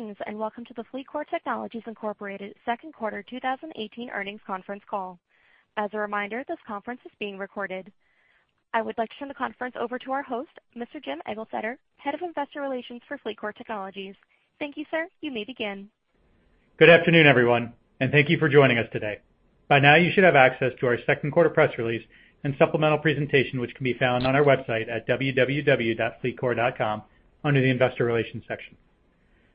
Greetings, welcome to the FleetCor Technologies, Inc. second quarter 2018 earnings conference call. As a reminder, this conference is being recorded. I would like to turn the conference over to our host, Mr. Jim Eglseder, Head of Investor Relations for FleetCor Technologies. Thank you, sir. You may begin. Good afternoon, everyone, thank you for joining us today. By now you should have access to our second quarter press release and supplemental presentation, which can be found on our website at www.fleetcor.com under the investor relations section.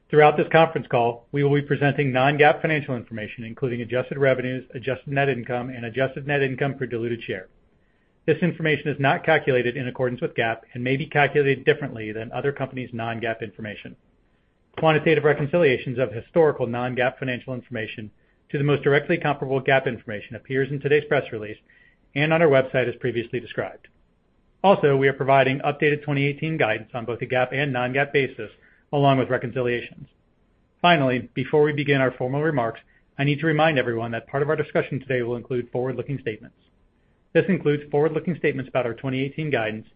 Throughout this conference call, we will be presenting non-GAAP financial information, including adjusted revenues, adjusted net income, and adjusted net income per diluted share. This information is not calculated in accordance with GAAP and may be calculated differently than other companies' non-GAAP information. Quantitative reconciliations of historical non-GAAP financial information to the most directly comparable GAAP information appears in today's press release and on our website as previously described. We are providing updated 2018 guidance on both a GAAP and non-GAAP basis, along with reconciliations. Before we begin our formal remarks, I need to remind everyone that part of our discussion today will include forward-looking statements. This includes forward-looking statements about our 2018 guidance,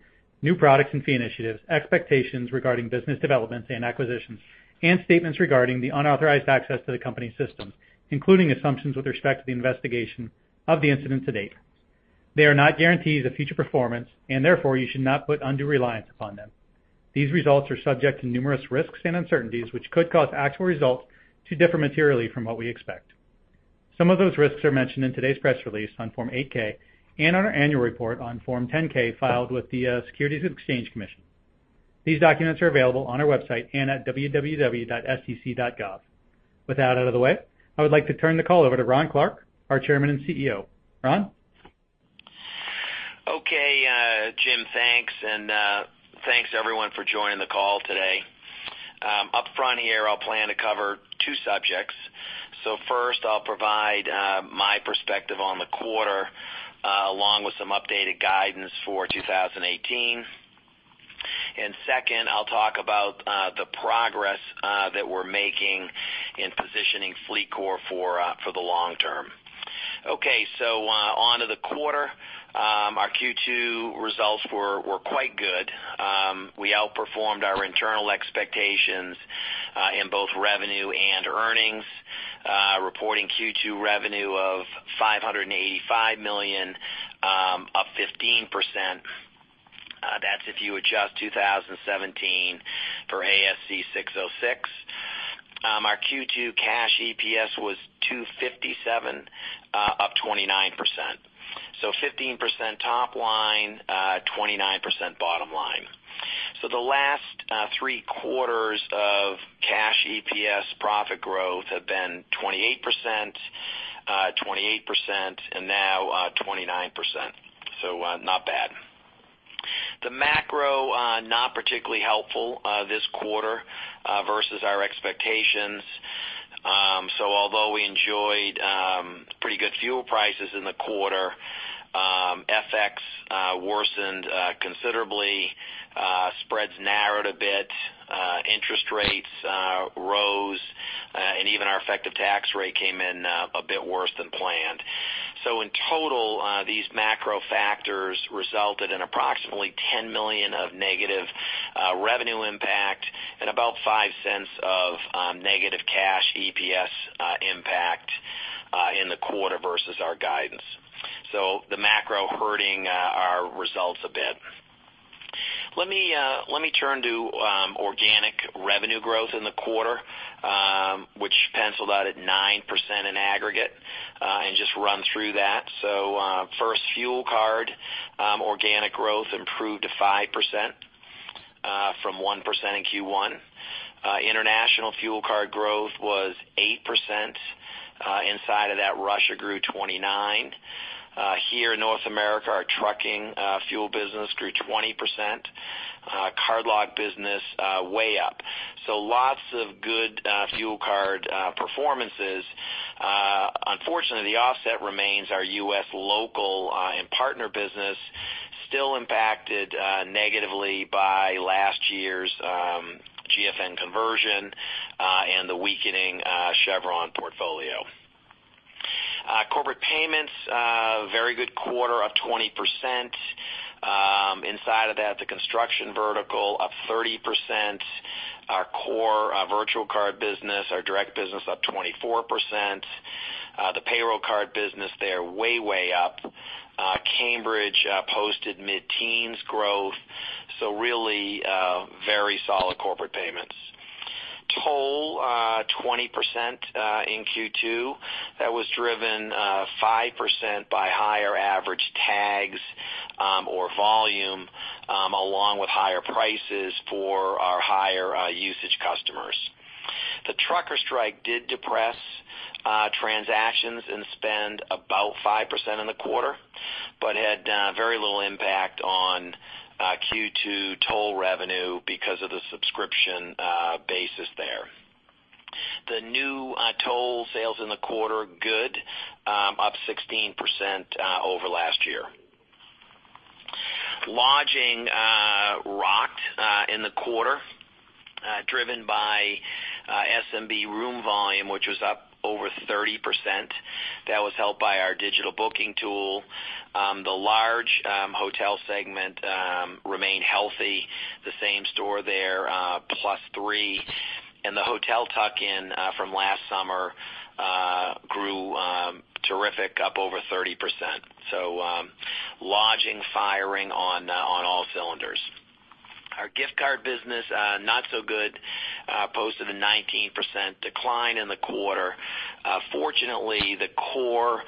new products and fee initiatives, expectations regarding business developments and acquisitions, and statements regarding the unauthorized access to the company's systems, including assumptions with respect to the investigation of the incident to date. They are not guarantees of future performance, therefore, you should not put undue reliance upon them. These results are subject to numerous risks and uncertainties, which could cause actual results to differ materially from what we expect. Some of those risks are mentioned in today's press release on Form 8-K and on our annual report on Form 10-K filed with the Securities and Exchange Commission. These documents are available on our website and at www.sec.gov. With that out of the way, I would like to turn the call over to Ron Clarke, our Chairman and CEO. Ron? Jim, thanks, everyone, for joining the call today. Up front here, I plan to cover two subjects. First, I'll provide my perspective on the quarter, along with some updated guidance for 2018. Second, I'll talk about the progress that we're making in positioning FleetCor for the long term. Onto the quarter. Our Q2 results were quite good. We outperformed our internal expectations in both revenue and earnings, reporting Q2 revenue of $585 million, up 15%. That's if you adjust 2017 for ASC 606. Our Q2 Cash EPS was $2.57, up 29%. 15% top line, 29% bottom line. The last three quarters of Cash EPS profit growth have been 28%, 28%, and now 29%. Not bad. The macro, not particularly helpful this quarter versus our expectations. Although we enjoyed pretty good fuel prices in the quarter, FX worsened considerably, spreads narrowed a bit, interest rates rose, and even our effective tax rate came in a bit worse than planned. In total, these macro factors resulted in approximately $10 million of negative revenue impact and about $0.05 of negative Cash EPS impact in the quarter versus our guidance. The macro hurting our results a bit. Let me turn to organic revenue growth in the quarter, which penciled out at 9% in aggregate, and just run through that. First, fuel card organic growth improved to 5% from 1% in Q1. International fuel card growth was 8%. Inside of that, Russia grew 29%. Here in North America, our trucking fuel business grew 20%, card lock business way up. Lots of good fuel card performances. Unfortunately, the offset remains our U.S. local and partner business, still impacted negatively by last year's GFN conversion and the weakening Chevron portfolio. Corporate payments, very good quarter, up 20%. Inside of that, the construction vertical up 30%, our core virtual card business, our direct business up 24%. The payroll card business there way up. Cambridge posted mid-teens growth, really very solid corporate payments. Toll, 20% in Q2. That was driven 5% by higher average tags or volume, along with higher prices for our higher usage customers. The trucker strike did depress transactions and spend about 5% in the quarter but had very little impact on Q2 toll revenue because of the subscription basis there. The new toll sales in the quarter, good, up 16% over last year. Lodging rocked in the quarter, driven by SMB room volume, which was up over 30%. That was helped by our digital booking tool. The large hotel segment remained healthy, the same store there, +3, and the hotel tuck-in from last summer terrific, up over 30%. Lodging firing on all cylinders. Our gift card business, not so good, posted a 19% decline in the quarter. Fortunately, the core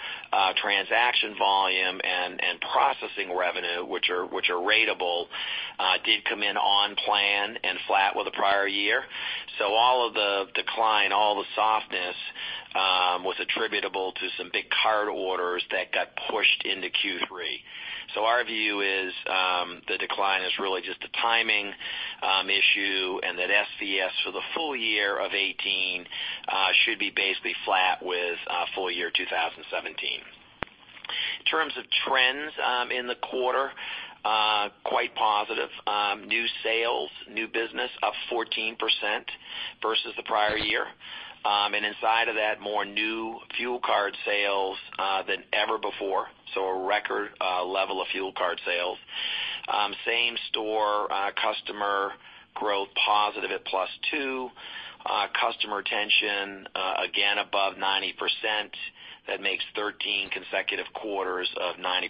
transaction volume and processing revenue, which are ratable, did come in on plan and flat with the prior year. All of the decline, all the softness was attributable to some big card orders that got pushed into Q3. Our view is the decline is really just a timing issue, and that SVS for the full year 2018 should be basically flat with full year 2017. In terms of trends in the quarter, quite positive. New sales, new business up 14% versus the prior year. Inside of that, more new fuel card sales than ever before. A record level of fuel card sales. Same store customer growth positive at +2. Customer retention again above 90%. That makes 13 consecutive quarters of 90%+.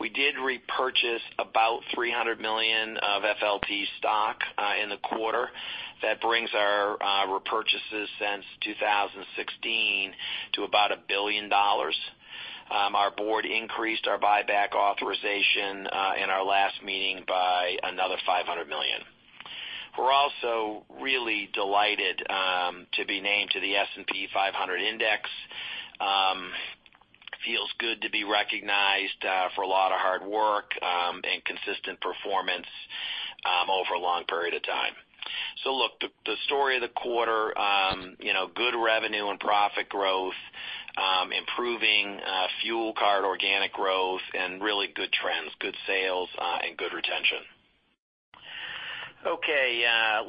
We did repurchase about $300 million of FLT stock in the quarter. That brings our repurchases since 2016 to about $1 billion. Our board increased our buyback authorization in our last meeting by another $500 million. We are also really delighted to be named to the S&P 500 Index. Feels good to be recognized for a lot of hard work and consistent performance over a long period of time. Look, the story of the quarter, good revenue and profit growth, improving fuel card organic growth, and really good trends, good sales, and good retention.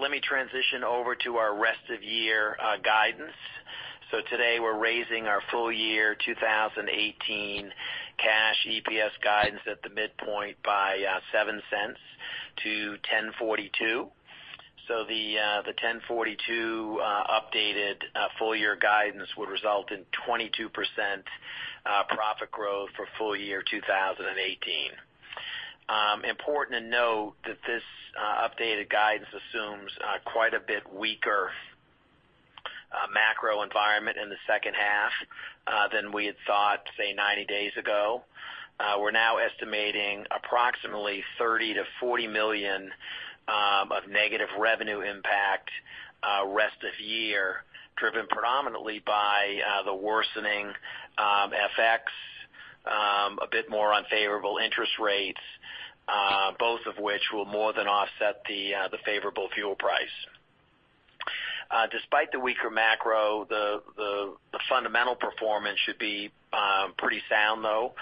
Let me transition over to our rest of year guidance. Today, we're raising our full year 2018 Cash EPS guidance at the midpoint by $0.07 to $10.42. The $10.42 updated full year guidance would result in 22% profit growth for full year 2018. Important to note that this updated guidance assumes quite a bit weaker macro environment in the second half than we had thought, say, 90 days ago. We're now estimating approximately $30 million-$40 million of negative revenue impact rest of year, driven predominantly by the worsening FX, a bit more unfavorable interest rates, both of which will more than offset the favorable fuel price. Despite the weaker macro, the fundamental performance should be pretty sound though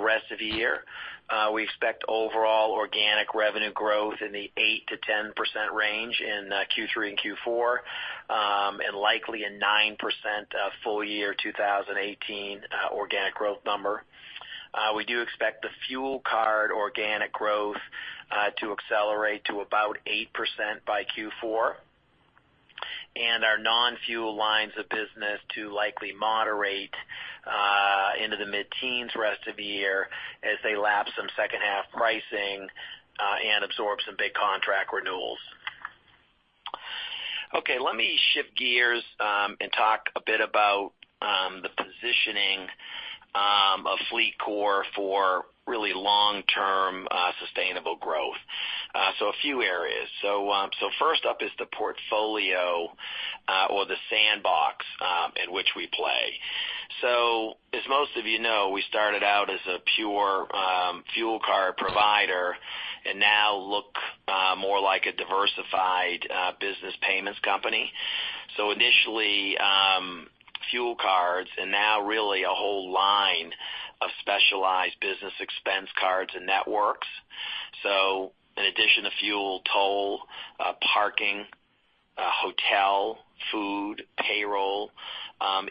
rest of the year. We expect overall organic revenue growth in the 8%-10% range in Q3 and Q4, and likely a 9% full year 2018 organic growth number. We do expect the fuel card organic growth to accelerate to about 8% by Q4, and our non-fuel lines of business to likely moderate into the mid-teens rest of the year as they lap some second half pricing and absorb some big contract renewals. Let me shift gears and talk a bit about the positioning of FleetCor for really long-term sustainable growth. A few areas. First up is the portfolio or the sandbox in which we play. As most of you know, we started out as a pure fuel card provider, and now look more like a diversified business payments company. Initially, fuel cards, and now really a whole line of specialized business expense cards and networks. In addition to fuel, toll, parking, hotel, food, payroll,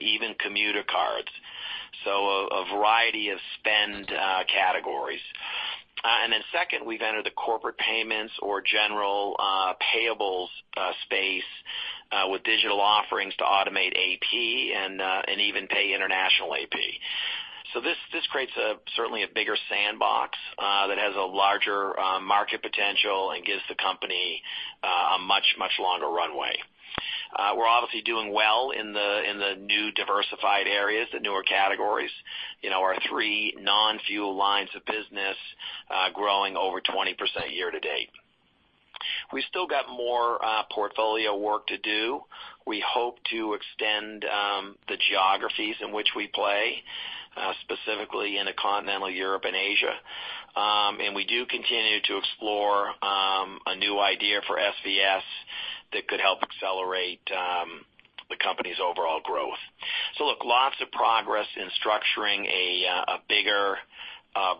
even commuter cards. A variety of spend categories. Second, we've entered the corporate payments or general payables space with digital offerings to automate AP and even pay international AP. This creates certainly a bigger sandbox that has a larger market potential and gives the company a much, much longer runway. We're obviously doing well in the new diversified areas, the newer categories. Our three non-fuel lines of business growing over 20% year to date. We still got more portfolio work to do. We hope to extend the geographies in which we play, specifically into Continental Europe and Asia. We do continue to explore a new idea for SVS that could help accelerate the company's overall growth. Lots of progress in structuring a bigger,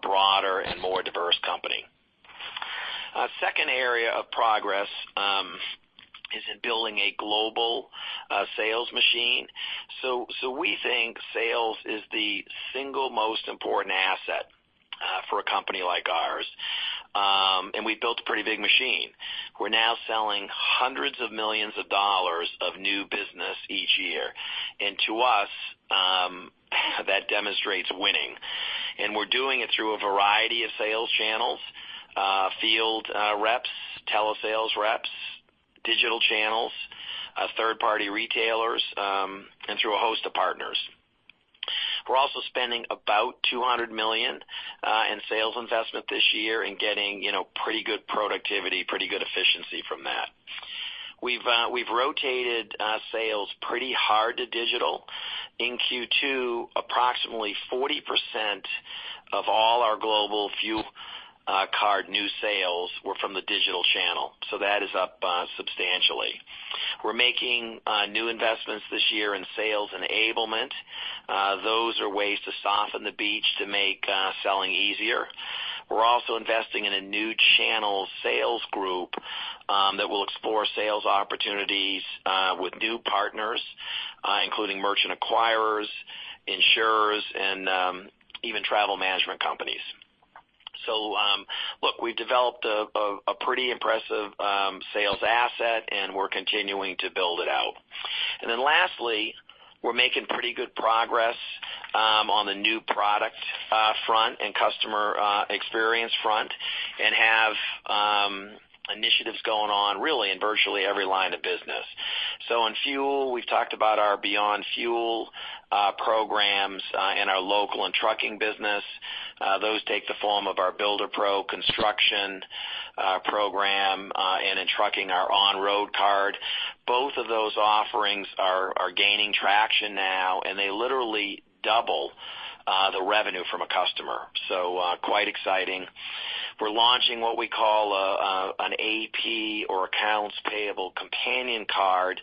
broader, and more diverse company. Second area of progress is in building a global sales machine. We think sales is the single most important asset company like ours. We've built a pretty big machine. We're now selling $hundreds of millions of new business each year. To us, that demonstrates winning. We're doing it through a variety of sales channels, field reps, telesales reps, digital channels, third-party retailers, and through a host of partners. We're also spending about $200 million in sales investment this year and getting pretty good productivity, pretty good efficiency from that. We've rotated sales pretty hard to digital. In Q2, approximately 40% of all our global fuel card new sales were from the digital channel. That is up substantially. We're making new investments this year in sales enablement. Those are ways to soften the beach to make selling easier. We're also investing in a new channel sales group that will explore sales opportunities with new partners, including merchant acquirers, insurers, and even travel management companies. Look, we've developed a pretty impressive sales asset, and we're continuing to build it out. Lastly, we're making pretty good progress on the new product front and customer experience front and have initiatives going on really in virtually every line of business. In fuel, we've talked about our Beyond Fuel programs in our local and trucking business. Those take the form of our Builder Pro construction program and in trucking, our OnRoad card. Both of those offerings are gaining traction now, and they literally double the revenue from a customer. Quite exciting. We're launching what we call an AP or accounts payable companion card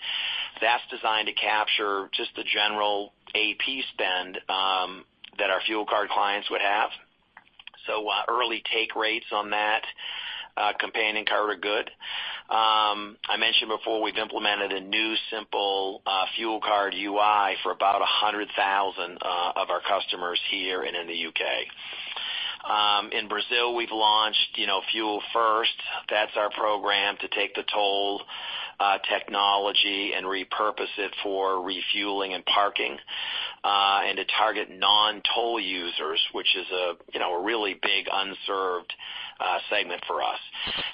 that's designed to capture just the general AP spend that our fuel card clients would have. Early take rates on that companion card are good. I mentioned before, we've implemented a new simple fuel card UI for about 100,000 of our customers here and in the U.K. In Brazil, we've launched Fuel First. That's our program to take the toll technology and repurpose it for refueling and parking, and to target non-toll users, which is a really big unserved segment for us.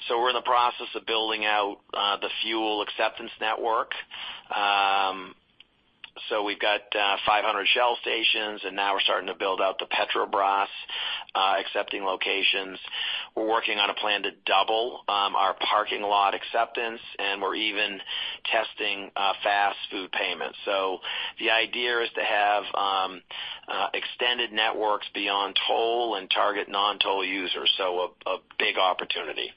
We're in the process of building out the fuel acceptance network. We've got 500 Shell stations, and now we're starting to build out the Petrobras accepting locations. We're working on a plan to double our parking lot acceptance, and we're even testing fast food payments. The idea is to have extended networks beyond toll and target non-toll users. A big opportunity.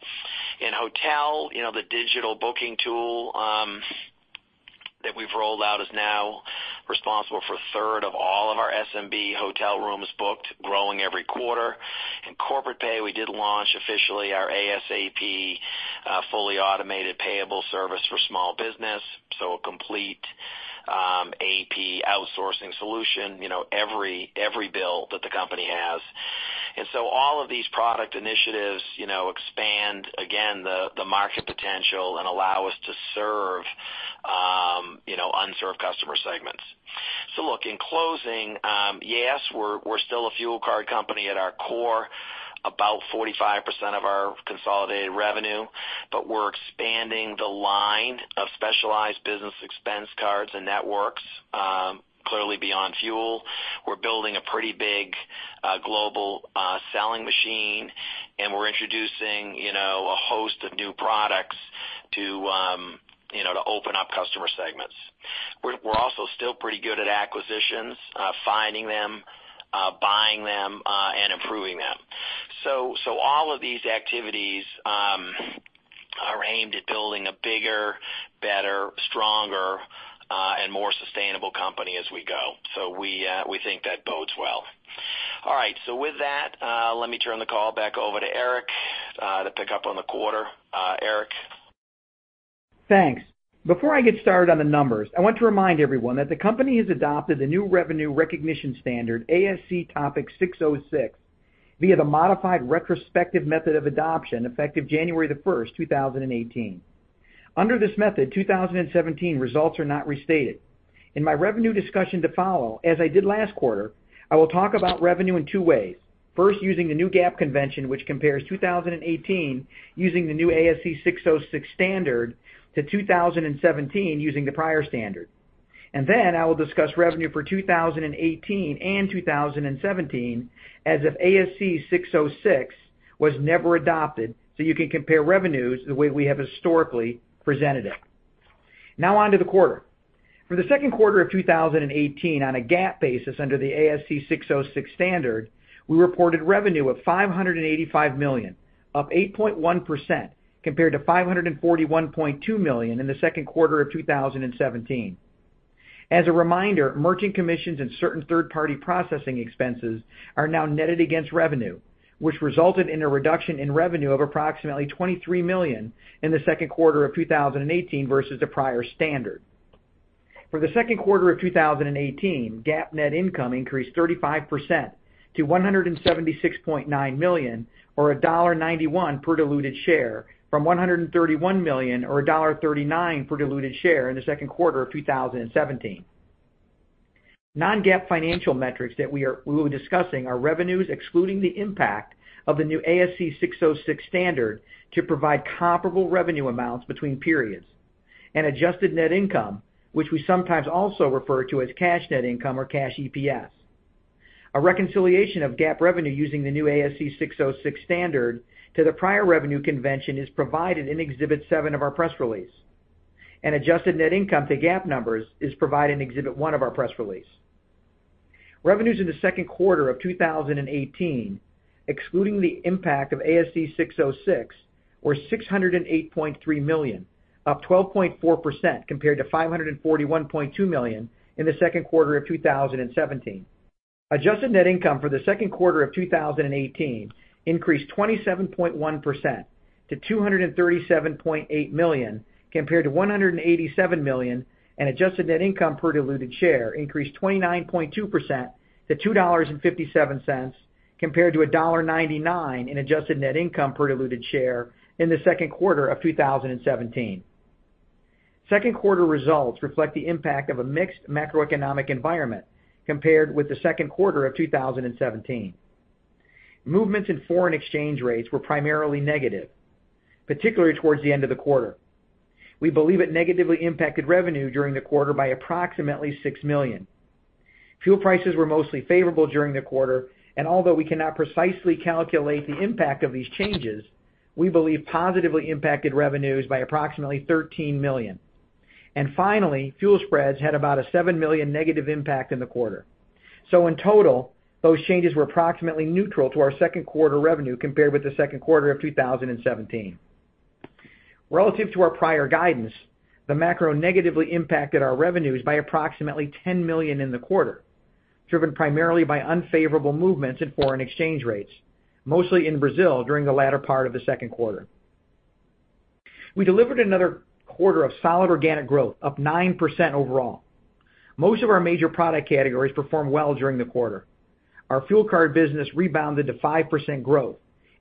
In hotel, the digital booking tool that we've rolled out is now responsible for a third of all of our SMB hotel rooms booked, growing every quarter. In corporate pay, we did launch officially our ASAP fully automated payable service for small business. A complete AP outsourcing solution, every bill that the company has. All of these product initiatives expand, again, the market potential and allow us to serve unserved customer segments. Look, in closing yes, we're still a fuel card company at our core, about 45% of our consolidated revenue, but we're expanding the line of specialized business expense cards and networks, clearly Beyond Fuel. We're building a pretty big global selling machine, and we're introducing a host of new products to open up customer segments. We're also still pretty good at acquisitions, finding them, buying them, and improving them. All of these activities are aimed at building a bigger, better, stronger, and more sustainable company as we go. We think that bodes well. All right. With that, let me turn the call back over to Eric to pick up on the quarter. Eric? Thanks. Before I get started on the numbers, I want to remind everyone that the company has adopted the new revenue recognition standard, ASC Topic 606, via the modified retrospective method of adoption effective January the 1st, 2018. Under this method, 2017 results are not restated. In my revenue discussion to follow, as I did last quarter, I will talk about revenue in two ways. First, using the new GAAP convention, which compares 2018 using the new ASC 606 standard to 2017 using the prior standard. Then I will discuss revenue for 2018 and 2017 as if ASC 606 was never adopted, so you can compare revenues the way we have historically presented it. Now on to the quarter. For the second quarter of 2018, on a GAAP basis under the ASC 606 standard, we reported revenue of $585 million, up 8.1%, compared to $541.2 million in the second quarter of 2017. As a reminder, merchant commissions and certain third-party processing expenses are now netted against revenue. Which resulted in a reduction in revenue of approximately $23 million in the second quarter of 2018 versus the prior standard. For the second quarter of 2018, GAAP net income increased 35% to $176.9 million or $1.91 per diluted share from $131 million or $1.39 per diluted share in the second quarter of 2017. non-GAAP financial metrics that we will be discussing are revenues excluding the impact of the new ASC 606 standard to provide comparable revenue amounts between periods and adjusted net income, which we sometimes also refer to as cash net income or Cash EPS. A reconciliation of GAAP revenue using the new ASC 606 standard to the prior revenue convention is provided in Exhibit seven of our press release. Adjusted net income to GAAP numbers is provided in Exhibit one of our press release. Revenues in the second quarter of 2018, excluding the impact of ASC 606, were $608.3 million, up 12.4% compared to $541.2 million in the second quarter of 2017. Adjusted net income for the second quarter of 2018 increased 27.1% to $237.8 million, compared to $187 million, and adjusted net income per diluted share increased 29.2% to $2.57 compared to $1.99 in adjusted net income per diluted share in the second quarter of 2017. Second quarter results reflect the impact of a mixed macroeconomic environment compared with the second quarter of 2017. Movements in foreign exchange rates were primarily negative, particularly towards the end of the quarter. We believe it negatively impacted revenue during the quarter by approximately $6 million. Although we cannot precisely calculate the impact of these changes, we believe positively impacted revenues by approximately $13 million. Finally, fuel spreads had about a $7 million negative impact in the quarter. In total, those changes were approximately neutral to our second quarter revenue compared with the second quarter of 2017. Relative to our prior guidance, the macro negatively impacted our revenues by approximately $10 million in the quarter, driven primarily by unfavorable movements in foreign exchange rates, mostly in Brazil during the latter part of the second quarter. We delivered another quarter of solid organic growth, up 9% overall. Most of our major product categories performed well during the quarter. Our fuel card business rebounded to 5% growth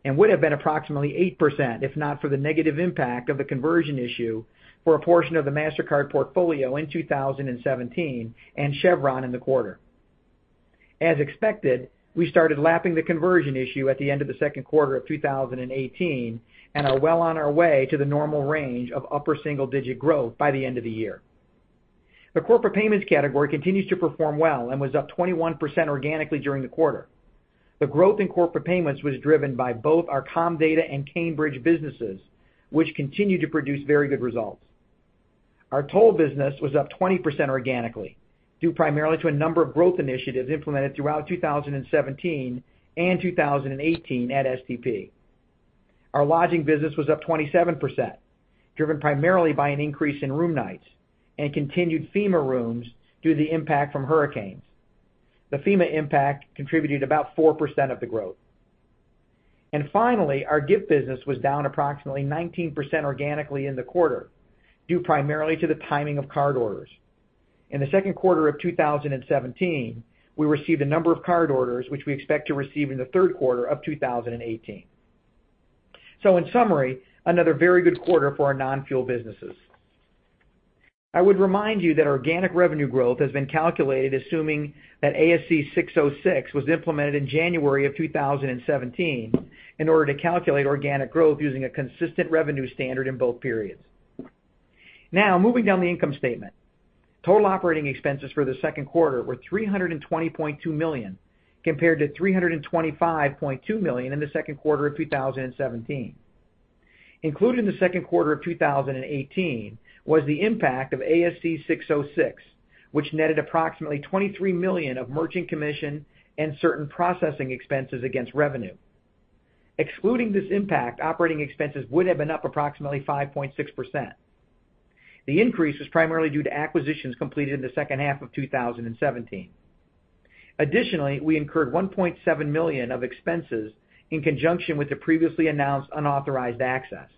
and would have been approximately 8%, if not for the negative impact of the conversion issue for a portion of the Mastercard portfolio in 2017 and Chevron in the quarter. As expected, we started lapping the conversion issue at the end of the second quarter of 2018 and are well on our way to the normal range of upper single-digit growth by the end of the year. The corporate payments category continues to perform well and was up 21% organically during the quarter. The growth in corporate payments was driven by both our Comdata and Cambridge businesses, which continue to produce very good results. Our toll business was up 20% organically due primarily to a number of growth initiatives implemented throughout 2017 and 2018 at STP. Our lodging business was up 27%, driven primarily by an increase in room nights and continued FEMA rooms due to the impact from hurricanes. The FEMA impact contributed about 4% of the growth. Finally, our gift business was down approximately 19% organically in the quarter, due primarily to the timing of card orders. In the second quarter of 2017, we received a number of card orders which we expect to receive in the third quarter of 2018. In summary, another very good quarter for our non-fuel businesses. I would remind you that our organic revenue growth has been calculated assuming that ASC 606 was implemented in January of 2017 in order to calculate organic growth using a consistent revenue standard in both periods. Moving down the income statement. Total operating expenses for the second quarter were $320.2 million compared to $325.2 million in the second quarter of 2017. Included in the second quarter of 2018 was the impact of ASC 606, which netted approximately $23 million of merchant commission and certain processing expenses against revenue. Excluding this impact, operating expenses would have been up approximately 5.6%. The increase was primarily due to acquisitions completed in the second half of 2017. Additionally, we incurred $1.7 million of expenses in conjunction with the previously announced unauthorized access.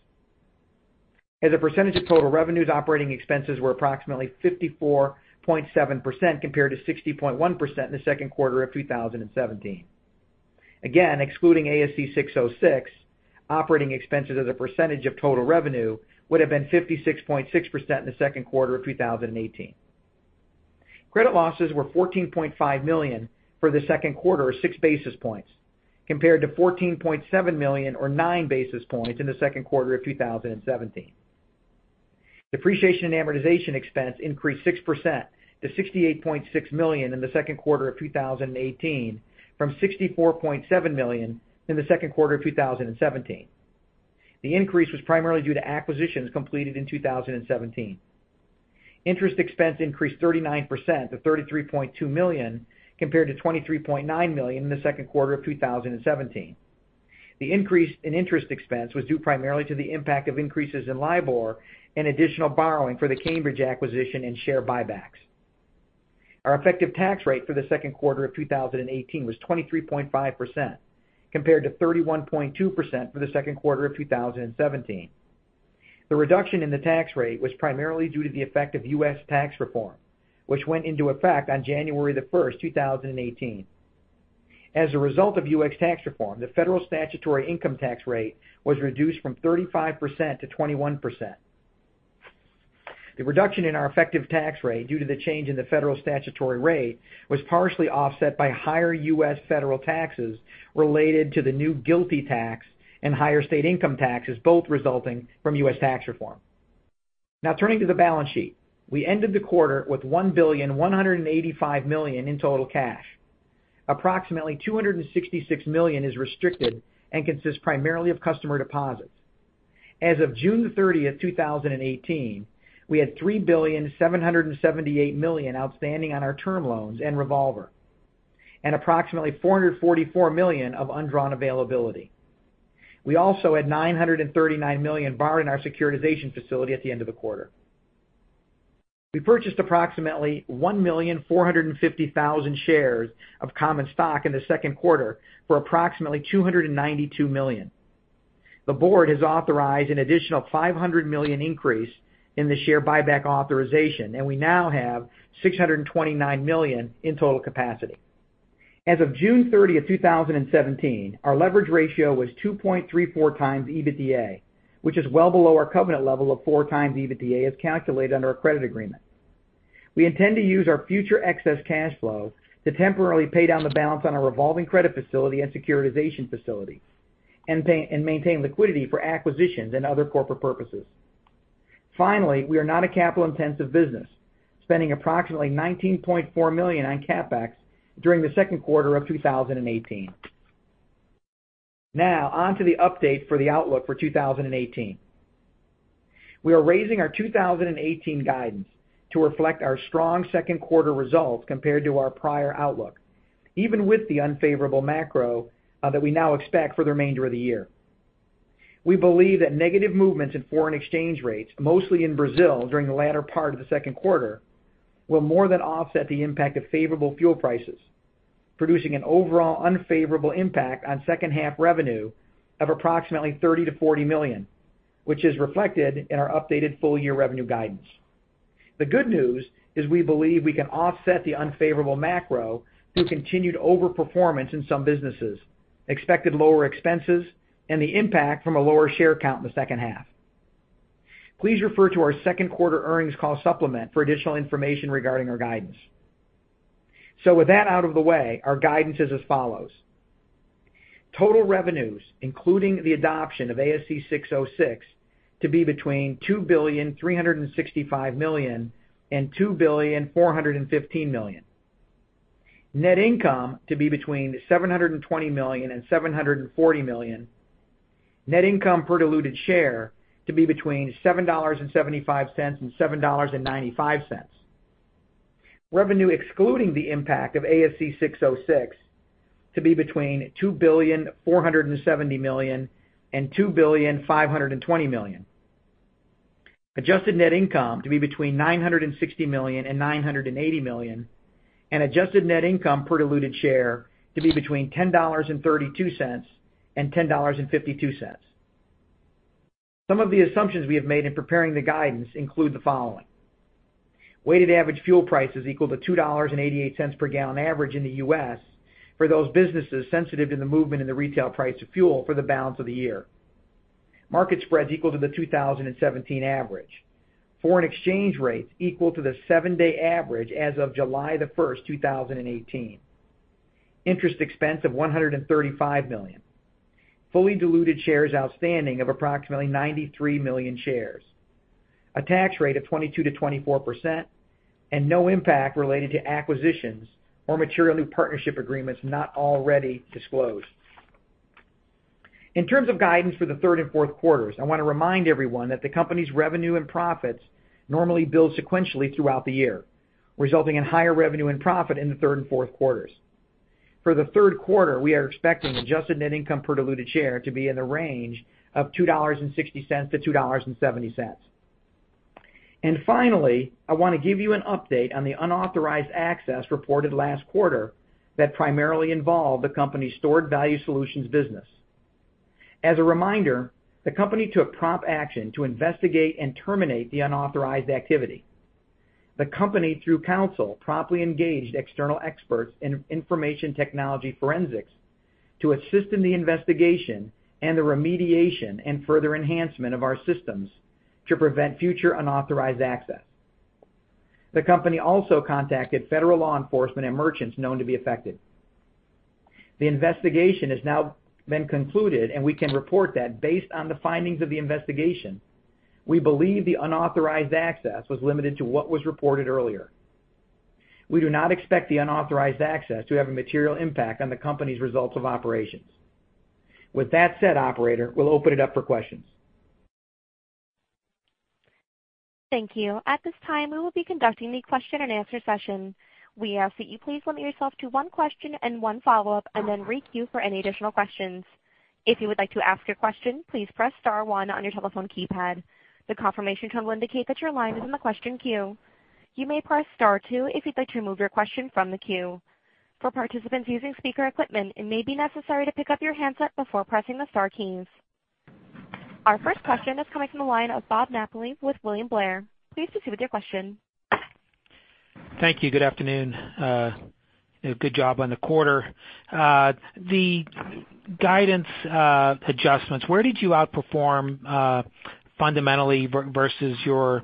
As a percentage of total revenues, operating expenses were approximately 54.7% compared to 60.1% in the second quarter of 2017. Again, excluding ASC 606, operating expenses as a percentage of total revenue would have been 56.6% in the second quarter of 2018. Credit losses were $14.5 million for the second quarter or six basis points, compared to $14.7 million or nine basis points in the second quarter of 2017. Depreciation and amortization expense increased 6% to $68.6 million in the second quarter of 2018 from $64.7 million in the second quarter of 2017. The increase was primarily due to acquisitions completed in 2017. Interest expense increased 39% to $33.2 million compared to $23.9 million in the second quarter of 2017. The increase in interest expense was due primarily to the impact of increases in LIBOR and additional borrowing for the Cambridge acquisition and share buybacks. Our effective tax rate for the second quarter of 2018 was 23.5%, compared to 31.2% for the second quarter of 2017. The reduction in the tax rate was primarily due to the effect of US tax reform, which went into effect on January 1st, 2018. As a result of US tax reform, the federal statutory income tax rate was reduced from 35% to 21%. The reduction in our effective tax rate due to the change in the federal statutory rate was partially offset by higher U.S. federal taxes related to the new GILTI tax and higher state income taxes, both resulting from US tax reform. Turning to the balance sheet. We ended the quarter with $1,185 million in total cash. Approximately $266 million is restricted and consists primarily of customer deposits. As of June 30th, 2018, we had $3,778 million outstanding on our term loans and revolver, and approximately $444 million of undrawn availability. We also had $939 million borrowed in our securitization facility at the end of the quarter. We purchased approximately 1,450,000 shares of common stock in the second quarter for approximately $292 million. The board has authorized an additional $500 million increase in the share buyback authorization. We now have $629 million in total capacity. As of June 30th, 2017, our leverage ratio was 2.34 times EBITDA, which is well below our covenant level of four times EBITDA as calculated under our credit agreement. We intend to use our future excess cash flow to temporarily pay down the balance on our revolving credit facility and securitization facility and maintain liquidity for acquisitions and other corporate purposes. We are not a capital-intensive business, spending approximately $19.4 million on CapEx during the second quarter of 2018. On to the update for the outlook for 2018. We are raising our 2018 guidance to reflect our strong second quarter results compared to our prior outlook, even with the unfavorable macro that we now expect for the remainder of the year. We believe that negative movements in foreign exchange rates, mostly in Brazil during the latter part of the second quarter, will more than offset the impact of favorable fuel prices, producing an overall unfavorable impact on second half revenue of approximately $30 million-$40 million, which is reflected in our updated full year revenue guidance. The good news is we believe we can offset the unfavorable macro through continued over-performance in some businesses, expected lower expenses, and the impact from a lower share count in the second half. Please refer to our second quarter earnings call supplement for additional information regarding our guidance. With that out of the way, our guidance is as follows. Total revenues, including the adoption of ASC 606, to be between $2,365 million and $2,415 million. Net income to be between $720 million and $740 million. Net income per diluted share to be between $7.75 and $7.95. Revenue excluding the impact of ASC 606 to be between $2,470 million and $2,520 million. Adjusted net income to be between $960 million and $980 million. Adjusted net income per diluted share to be between $10.32 and $10.52. Some of the assumptions we have made in preparing the guidance include the following: Weighted average fuel prices equal to $2.88 per gallon average in the U.S. for those businesses sensitive to the movement in the retail price of fuel for the balance of the year. Market spreads equal to the 2017 average. Foreign exchange rates equal to the seven-day average as of July 1st, 2018. Interest expense of $135 million. Fully diluted shares outstanding of approximately 93 million shares. A tax rate of 22%-24%. No impact related to acquisitions or material new partnership agreements not already disclosed. In terms of guidance for the third and fourth quarters, I want to remind everyone that the company's revenue and profits normally build sequentially throughout the year, resulting in higher revenue and profit in the third and fourth quarters. For the third quarter, we are expecting adjusted net income per diluted share to be in the range of $2.60-$2.70. Finally, I want to give you an update on the unauthorized access reported last quarter that primarily involved the company's Stored Value Solutions business. As a reminder, the company took prompt action to investigate and terminate the unauthorized activity. The company, through counsel, promptly engaged external experts in information technology forensics to assist in the investigation and the remediation and further enhancement of our systems to prevent future unauthorized access. The company also contacted federal law enforcement and merchants known to be affected. The investigation has now been concluded, and we can report that based on the findings of the investigation, we believe the unauthorized access was limited to what was reported earlier. We do not expect the unauthorized access to have a material impact on the company's results of operations. With that said, operator, we will open it up for questions. Thank you. At this time, we will be conducting the question and answer session. We ask that you please limit yourself to one question and one follow-up, and then re-queue for any additional questions. If you would like to ask your question, please press star one on your telephone keypad. The confirmation tone will indicate that your line is in the question queue. You may press star two if you would like to remove your question from the queue. For participants using speaker equipment, it may be necessary to pick up your handset before pressing the star keys. Our first question is coming from the line of Bob Napoli with William Blair. Please proceed with your question. Thank you. Good afternoon. Good job on the quarter. The guidance adjustments, where did you outperform fundamentally versus your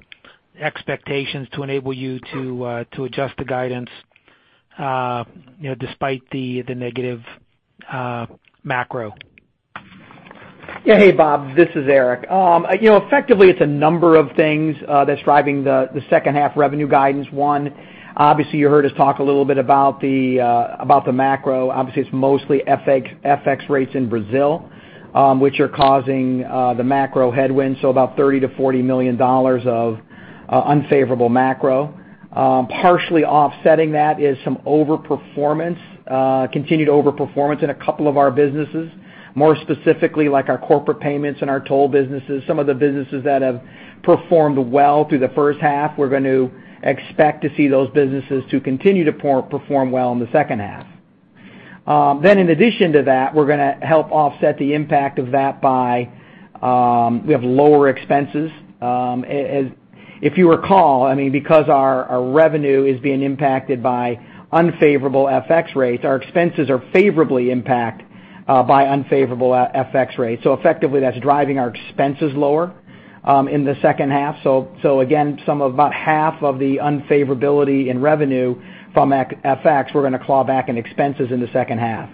expectations to enable you to adjust the guidance despite the negative macro? Hey, Bob. This is Eric. Effectively, it's a number of things that's driving the second half revenue guidance. Obviously you heard us talk a little bit about the macro. Obviously, it's mostly FX rates in Brazil, which are causing the macro headwinds, so about $30 million-$40 million of unfavorable macro. Partially offsetting that is some overperformance, continued overperformance in a couple of our businesses. More specifically, like our corporate payments and our toll businesses. Some of the businesses that have performed well through the first half, we're going to expect to see those businesses to continue to perform well in the second half. In addition to that, we're going to help offset the impact of that by, we have lower expenses. If you recall, because our revenue is being impacted by unfavorable FX rates, our expenses are favorably impact by unfavorable FX rates. Effectively, that's driving our expenses lower in the second half. Again, some about half of the unfavorability in revenue from FX, we're going to claw back in expenses in the second half.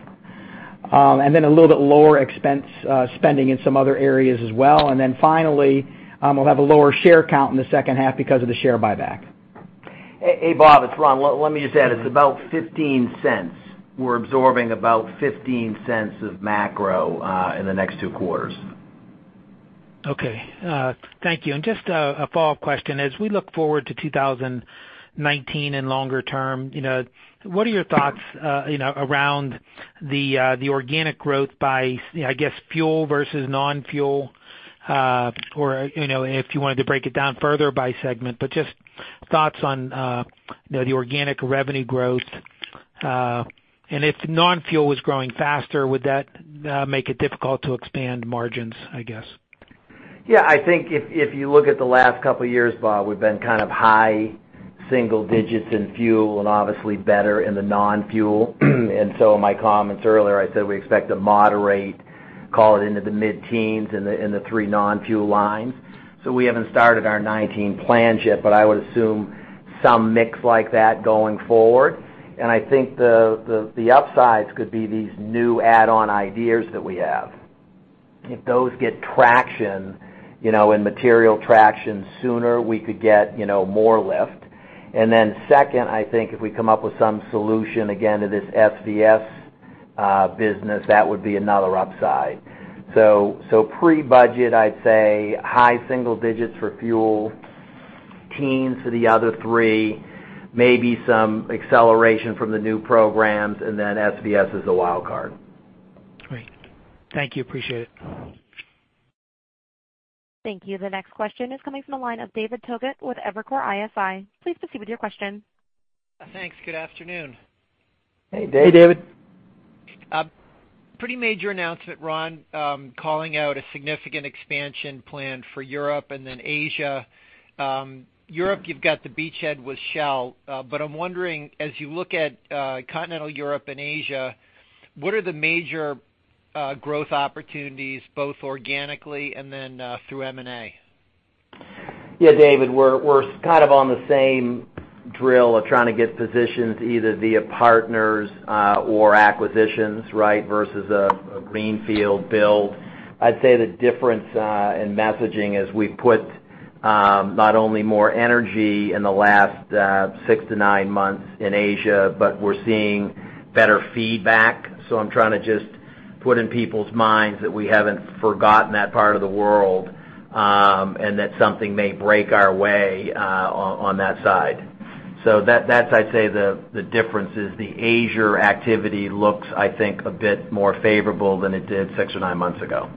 A little bit lower expense spending in some other areas as well. Finally, we'll have a lower share count in the second half because of the share buyback. Hey, Bob, it's Ron. Let me just add, it's about $0.15. We're absorbing about $0.15 of macro in the next two quarters. Okay. Thank you. Just a follow-up question. As we look forward to 2019 and longer term, what are your thoughts around the organic growth by, I guess, fuel versus non-fuel? If you wanted to break it down further by segment, just thoughts on the organic revenue growth. If non-fuel was growing faster, would that make it difficult to expand margins, I guess? I think if you look at the last two years, Bob, we've been kind of high single digits in fuel and obviously better in the non-fuel. My comments earlier, I said we expect to moderate, call it into the mid-teens in the three non-fuel lines. We haven't started our 2019 plans yet, but I would assume some mix like that going forward. I think the upsides could be these new add-on ideas that we have. If those get traction, and material traction sooner, we could get more lift. Second, I think if we come up with some solution again to this SVS business, that would be another upside. Pre-budget, I'd say high single digits for fuel, teens for the other three, maybe some acceleration from the new programs, and then SVS is a wild card. Great. Thank you. Appreciate it. Thank you. The next question is coming from the line of David Togut with Evercore ISI. Please proceed with your question. Thanks. Good afternoon. Hey, David. Pretty major announcement, Ron. Calling out a significant expansion plan for Europe and then Asia. Europe, you've got the beachhead with Shell. I'm wondering, as you look at continental Europe and Asia, what are the major growth opportunities, both organically and then through M&A? Yeah, David, we're kind of on the same drill of trying to get positions either via partners or acquisitions versus a greenfield build. I'd say the difference in messaging is we've put not only more energy in the last six to nine months in Asia, but we're seeing better feedback. I'm trying to just put in people's minds that we haven't forgotten that part of the world, and that something may break our way on that side. That's I'd say the difference is the Asia activity looks, I think, a bit more favorable than it did six or nine months ago.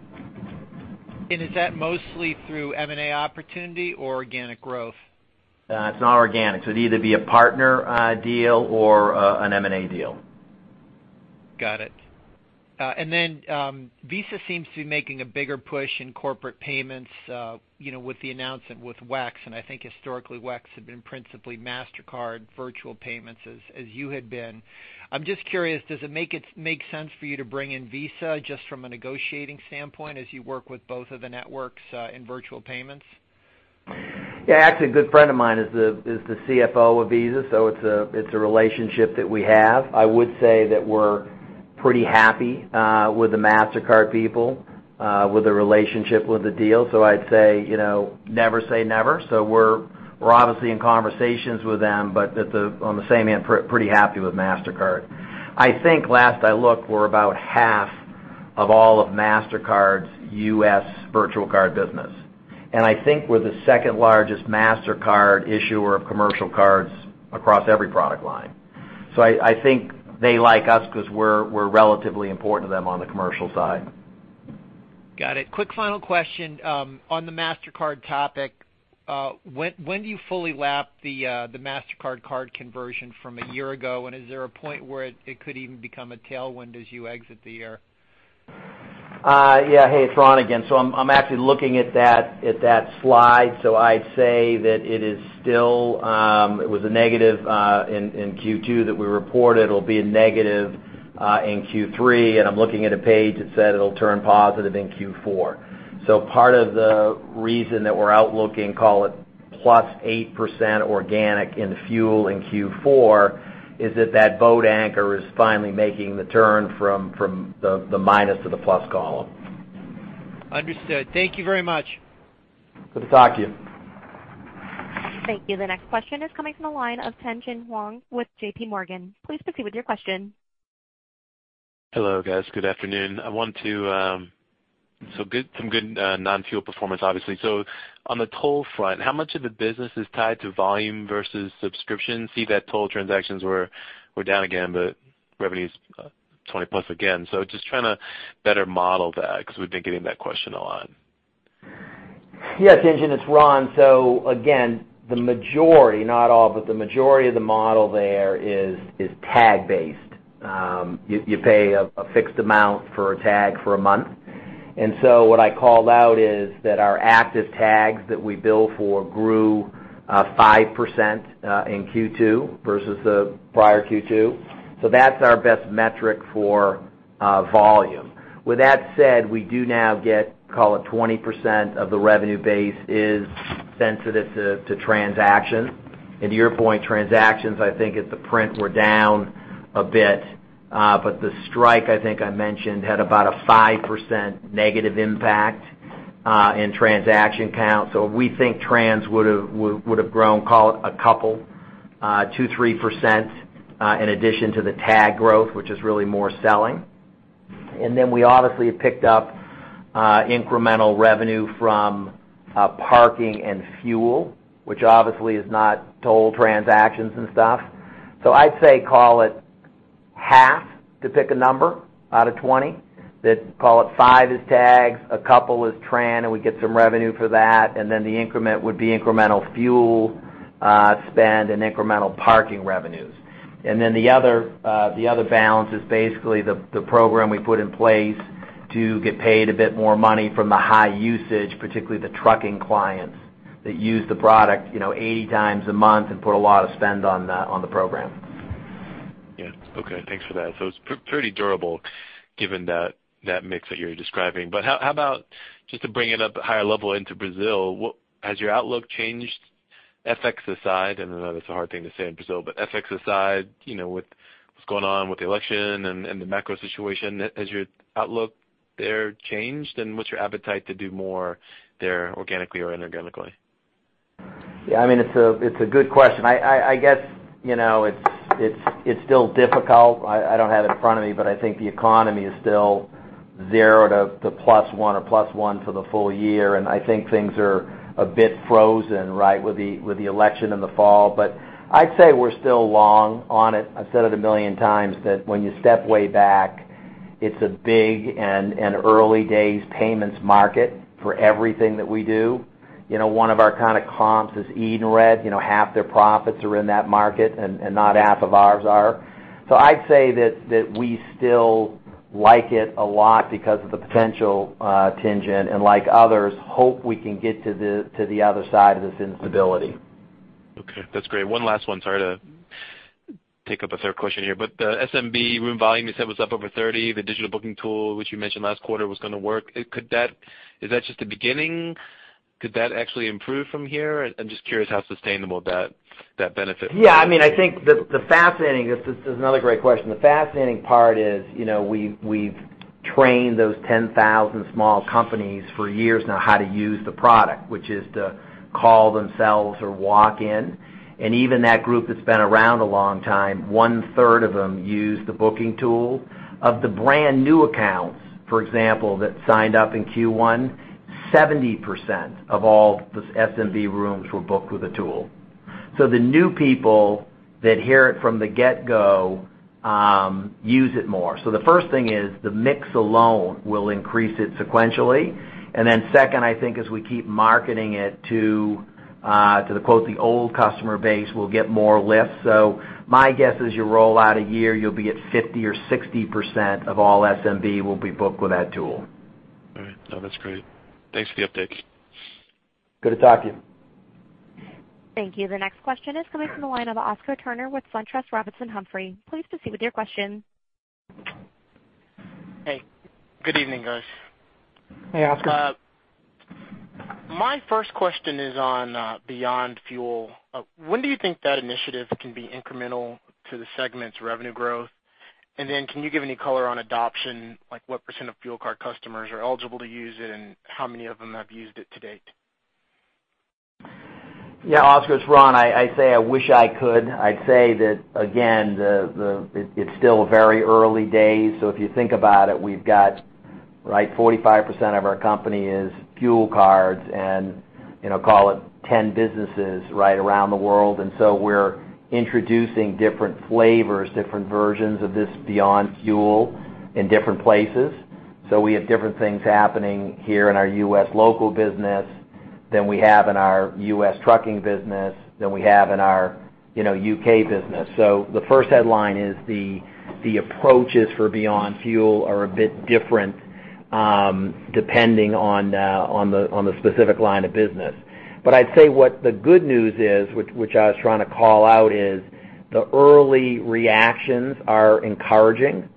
Is that mostly through M&A opportunity or organic growth? It's not organic. It'd either be a partner deal or an M&A deal. Got it. Visa seems to be making a bigger push in corporate payments with the announcement with WEX, and I think historically WEX had been principally Mastercard virtual payments as you had been. I'm just curious, does it make sense for you to bring in Visa just from a negotiating standpoint as you work with both of the networks in virtual payments? Yeah, actually, a good friend of mine is the CFO of Visa, it's a relationship that we have. I would say that we're pretty happy with the Mastercard people, with the relationship with the deal. I'd say never say never. We're obviously in conversations with them, but on the same end, pretty happy with Mastercard. I think last I looked, we're about half of all of Mastercard's U.S. virtual card business. I think we're the second largest Mastercard issuer of commercial cards across every product line. I think they like us because we're relatively important to them on the commercial side. Got it. Quick final question. On the Mastercard topic, when do you fully lap the Mastercard card conversion from a year ago? Is there a point where it could even become a tailwind as you exit the year? Yeah. Hey, it's Ron again. I'm actually looking at that slide. I'd say that it is still, it was a negative in Q2 that we reported, it'll be a negative in Q3, and I'm looking at a page that said it'll turn positive in Q4. Part of the reason that we're outlooking, call it +8% organic in fuel in Q4, is that that boat anchor is finally making the turn from the minus to the plus column. Understood. Thank you very much. Good to talk to you. Thank you. The next question is coming from the line of Tien-Tsin Huang with J.P. Morgan. Please proceed with your question. Hello, guys. Good afternoon. Some good non-fuel performance, obviously. On the toll front, how much of the business is tied to volume versus subscription? I see that toll transactions were down again, but revenues 20%+ again. Just trying to better model that because we've been getting that question a lot. Yeah, Tien-Tsin, it's Ron. Again, the majority, not all, but the majority of the model there is tag-based. You pay a fixed amount for a tag for a month. What I called out is that our active tags that we bill for grew 5% in Q2 versus the prior Q2. That's our best metric for volume. With that said, we do now get, call it 20% of the revenue base is sensitive to transaction. To your point, transactions, I think at the print, were down a bit. The strike, I think I mentioned, had about a 5% negative impact in transaction count. We think trans would have grown, call it a couple, 2%-3%, in addition to the tag growth, which is really more selling. We obviously have picked up incremental revenue from parking and fuel, which obviously is not toll transactions and stuff. I'd say call it half, to pick a number, out of 20, that call it 5 is tags, a couple is tran, and we get some revenue for that, and then the increment would be incremental fuel spend and incremental parking revenues. The other balance is basically the program we put in place to get paid a bit more money from the high usage, particularly the trucking clients that use the product 80 times a month and put a lot of spend on the program. Yeah. Okay. Thanks for that. It's pretty durable given that mix that you're describing. How about just to bring it up higher level into Brazil, has your outlook changed FX aside? I know that's a hard thing to say in Brazil, but FX aside, with what's going on with the election and the macro situation, has your outlook there changed? What's your appetite to do more there organically or inorganically? Yeah, it's a good question. I guess, it's still difficult. I don't have it in front of me, but I think the economy is still zero to plus one or plus one for the full year. I think things are a bit frozen, right, with the election in the fall. I'd say we're still long on it. I've said it a million times that when you step way back, it's a big and early days payments market for everything that we do. One of our kind of comps is Edenred. Half their profits are in that market, and not half of ours are. I'd say that we still like it a lot because of the potential tension, and like others, hope we can get to the other side of this instability. Okay. That's great. One last one. Sorry to pick up a third question here. The SMB room volume you said was up over 30, the digital booking tool, which you mentioned last quarter was going to work. Is that just the beginning? Could that actually improve from here? I'm just curious how sustainable that benefit will be. Yeah, I think this is another great question. The fascinating part is we've trained those 10,000 small companies for years now how to use the product, which is to call themselves or walk in. Even that group that's been around a long time, one-third of them use the booking tool. Of the brand-new accounts, for example, that signed up in Q1, 70% of all the SMB rooms were booked with a tool. The new people that hear it from the get-go use it more. The first thing is the mix alone will increase it sequentially. Then second, I think as we keep marketing it to the quote, the old customer base, we'll get more lifts. My guess is you roll out a year, you'll be at 50% or 60% of all SMB will be booked with that tool. All right. No, that's great. Thanks for the update. Good to talk to you. Thank you. The next question is coming from the line of Oscar Turner with SunTrust Robinson Humphrey. Please proceed with your question. Hey, good evening, guys. Hey, Oscar. My first question is on Beyond Fuel. When do you think that initiative can be incremental to the segment's revenue growth? Can you give any color on adoption, like what % of fuel card customers are eligible to use it, and how many of them have used it to date? Yeah, Oscar, it's Ron. I say I wish I could. I'd say that, again, it's still very early days. If you think about it, we've got Right? 45% of our company is fuel cards, and call it 10 businesses right around the world. We're introducing different flavors, different versions of this Beyond Fuel in different places. We have different things happening here in our U.S. local business than we have in our U.S. trucking business than we have in our U.K. business. The first headline is the approaches for Beyond Fuel are a bit different depending on the specific line of business. I'd say what the good news is, which I was trying to call out, is the early reactions are encouraging.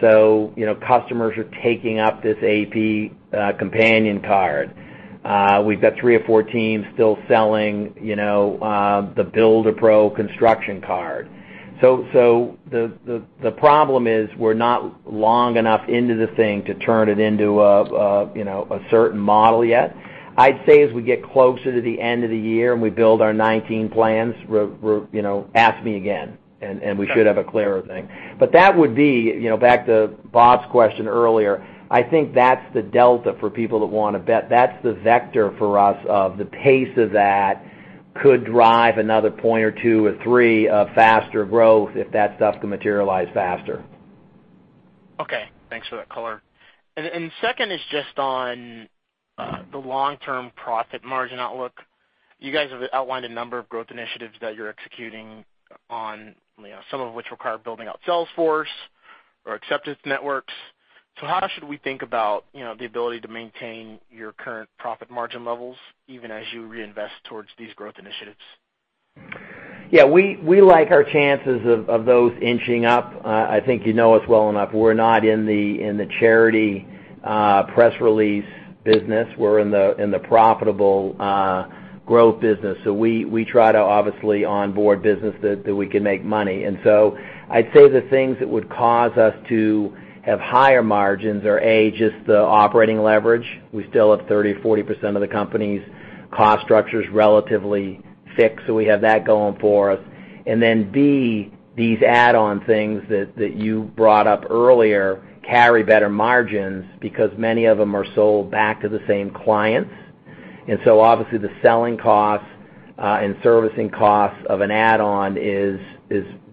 Customers are taking up this AP companion card. We've got three or four teams still selling the BuilderPro construction card. The problem is we're not long enough into the thing to turn it into a certain model yet. I'd say as we get closer to the end of the year and we build our 2019 plans, ask me again, and we should have a clearer thing. That would be, back to Bob's question earlier, I think that's the delta for people that want to bet. That's the vector for us of the pace of that could drive another point or two or three of faster growth if that stuff can materialize faster. Okay, thanks for that color. Second is just on the long-term profit margin outlook. You guys have outlined a number of growth initiatives that you're executing on, some of which require building out sales force or acceptance networks. How should we think about the ability to maintain your current profit margin levels even as you reinvest towards these growth initiatives? Yeah, we like our chances of those inching up. I think you know us well enough. We're not in the charity press release business. We're in the profitable growth business. We try to obviously onboard business that we can make money. I'd say the things that would cause us to have higher margins are, A, just the operating leverage. We still have 30%-40% of the company's cost structure is relatively fixed, so we have that going for us. B, these add-on things that you brought up earlier carry better margins because many of them are sold back to the same clients. Obviously the selling costs and servicing costs of an add-on is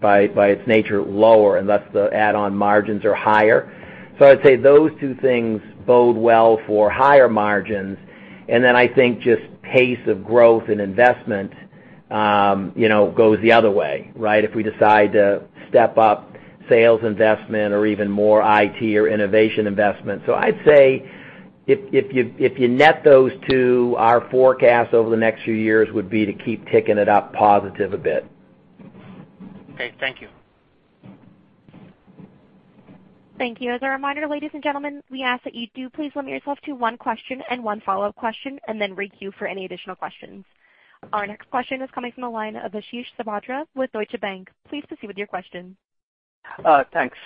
by its nature lower, and thus the add-on margins are higher. I'd say those two things bode well for higher margins. I think just pace of growth and investment goes the other way, right? If we decide to step up sales investment or even more IT or innovation investment. I'd say if you net those two, our forecast over the next few years would be to keep ticking it up positive a bit. Okay. Thank you. Thank you. As a reminder, ladies and gentlemen, we ask that you do please limit yourself to one question and one follow-up question, and then re-queue for any additional questions. Our next question is coming from the line of Ashish Sabadra with Deutsche Bank. Please proceed with your question. Thanks.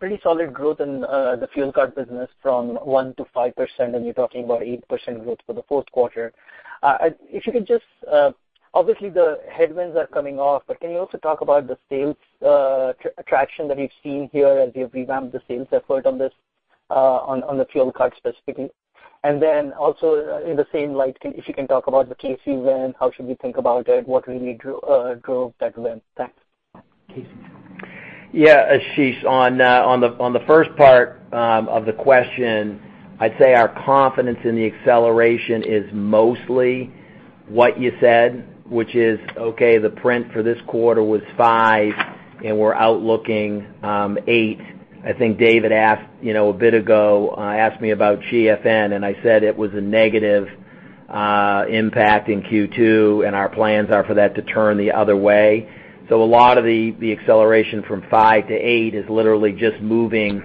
Pretty solid growth in the fuel card business from 1% to 5%, and you're talking about 8% growth for the fourth quarter. Obviously the headwinds are coming off, but can you also talk about the sales traction that you've seen here as you've revamped the sales effort on the fuel card specifically? Then also in the same light, if you can talk about the Casey's win, how should we think about it? What really drove that win? Thanks. Yeah, Ashish, on the first part of the question, I'd say our confidence in the acceleration is mostly what you said, which is, okay, the print for this quarter was 5%, and we're outlooking 8%. I think David, a bit ago, asked me about GFN, and I said it was a negative impact in Q2, and our plans are for that to turn the other way. A lot of the acceleration from 5% to 8% is literally just moving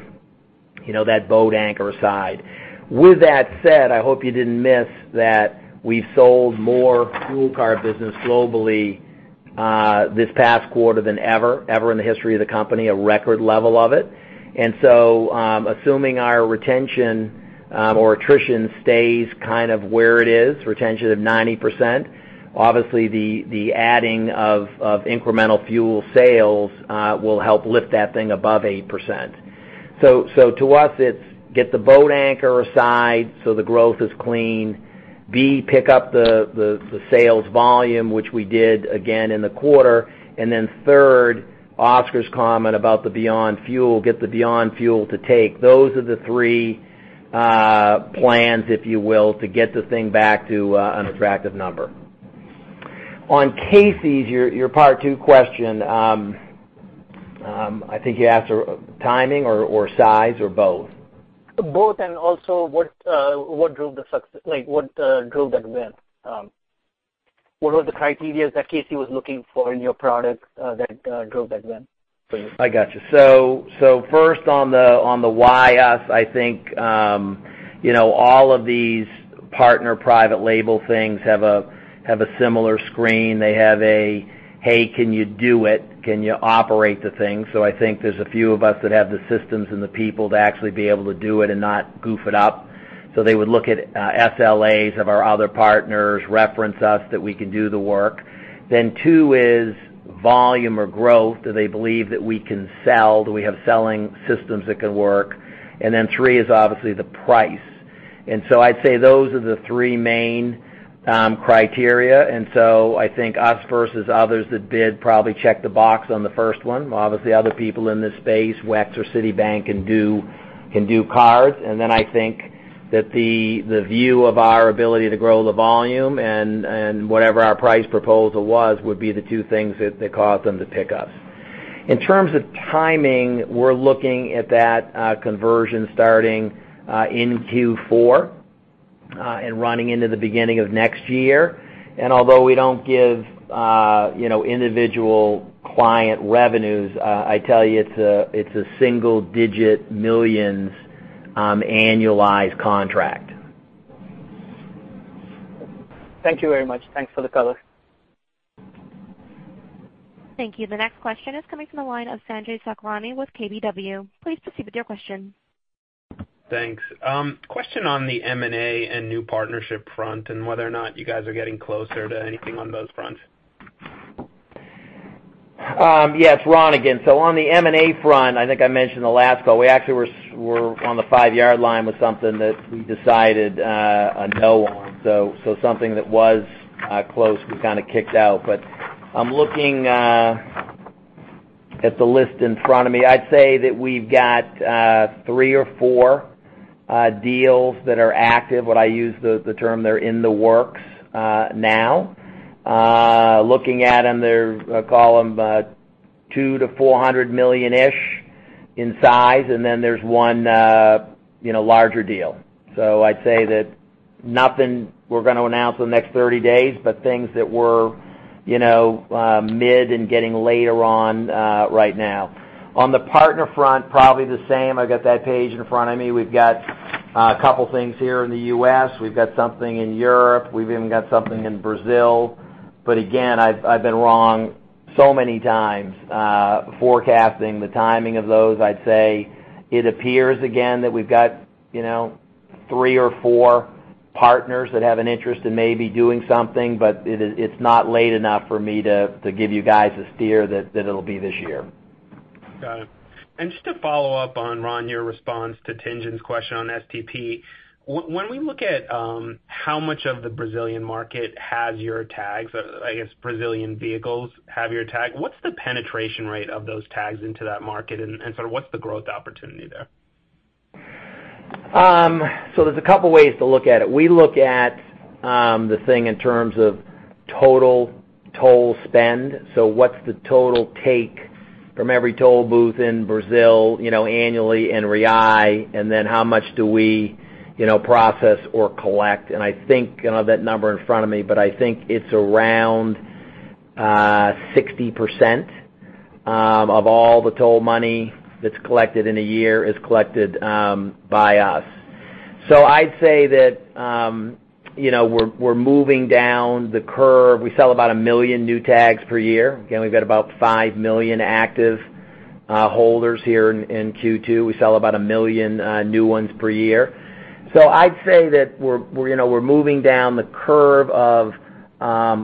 that boat anchor aside. With that said, I hope you didn't miss that we sold more fuel card business globally this past quarter than ever in the history of the company, a record level of it. Assuming our retention or attrition stays kind of where it is, retention of 90%, obviously the adding of incremental fuel sales will help lift that thing above 8%. To us, it's get the boat anchor aside so the growth is clean. B, pick up the sales volume, which we did again in the quarter. Third, Oscar's comment about the Beyond Fuel, get the Beyond Fuel to take. Those are the three plans, if you will, to get the thing back to an attractive number. On Casey's, your part 2 question, I think you asked timing or size or both? Both, what drove that win? What were the criteria that Casey's was looking for in your product that drove that win for you? I got you. First on the why us, I think all of these partner private label things have a similar screen. They have a, "Hey, can you do it? Can you operate the thing?" I think there's a few of us that have the systems and the people to actually be able to do it and not goof it up. They would look at SLAs of our other partners, reference us that we can do the work. Two is volume or growth. Do they believe that we can sell? Do we have selling systems that can work? Three is obviously the price. I'd say those are the three main criteria. I think us versus others that bid probably check the box on the first one. Obviously, other people in this space, WEX or Citibank, can do cards. I think that the view of our ability to grow the volume and whatever our price proposal was, would be the two things that caused them to pick us. In terms of timing, we're looking at that conversion starting in Q4, and running into the beginning of next year. Although we don't give individual client revenues, I tell you, it's a $ single-digit millions annualized contract. Thank you very much. Thanks for the color. Thank you. The next question is coming from the line of Sanjay Sakhrani with KBW. Please proceed with your question. Thanks. Question on the M&A and new partnership front, and whether or not you guys are getting closer to anything on those fronts. Yeah, it's Ron again. On the M&A front, I think I mentioned the last call, we actually were on the five-yard line with something that we decided a no on. Something that was close, we kind of kicked out. I'm looking at the list in front of me. I'd say that we've got three or four deals that are active. What I use the term, they're in the works now. Looking at them, they call them $2 million-$400 million-ish in size, and then there's one larger deal. I'd say that nothing we're going to announce in the next 30 days, but things that we're mid and getting later on right now. On the partner front, probably the same. I got that page in front of me. We've got a couple things here in the U.S. We've got something in Europe. We've even got something in Brazil. Again, I've been wrong so many times forecasting the timing of those. I'd say it appears again that we've got three or four partners that have an interest in maybe doing something, but it's not late enough for me to give you guys a steer that it'll be this year. Got it. Just to follow up on, Ron, your response to Tien-Tsin's question on STP, when we look at how much of the Brazilian market has your tags, I guess Brazilian vehicles have your tag, what's the penetration rate of those tags into that market and sort of what's the growth opportunity there? There's 2 ways to look at it. We look at the thing in terms of total toll spend. What's the total take from every toll booth in Brazil annually in Real? How much do we process or collect? I think I don't have that number in front of me, but I think it's around 60% of all the toll money that's collected in a year is collected by us. I'd say that we're moving down the curve. We sell about 1 million new tags per year. Again, we've got about 5 million active holders here in Q2. We sell about 1 million new ones per year. I'd say that we're moving down the curve of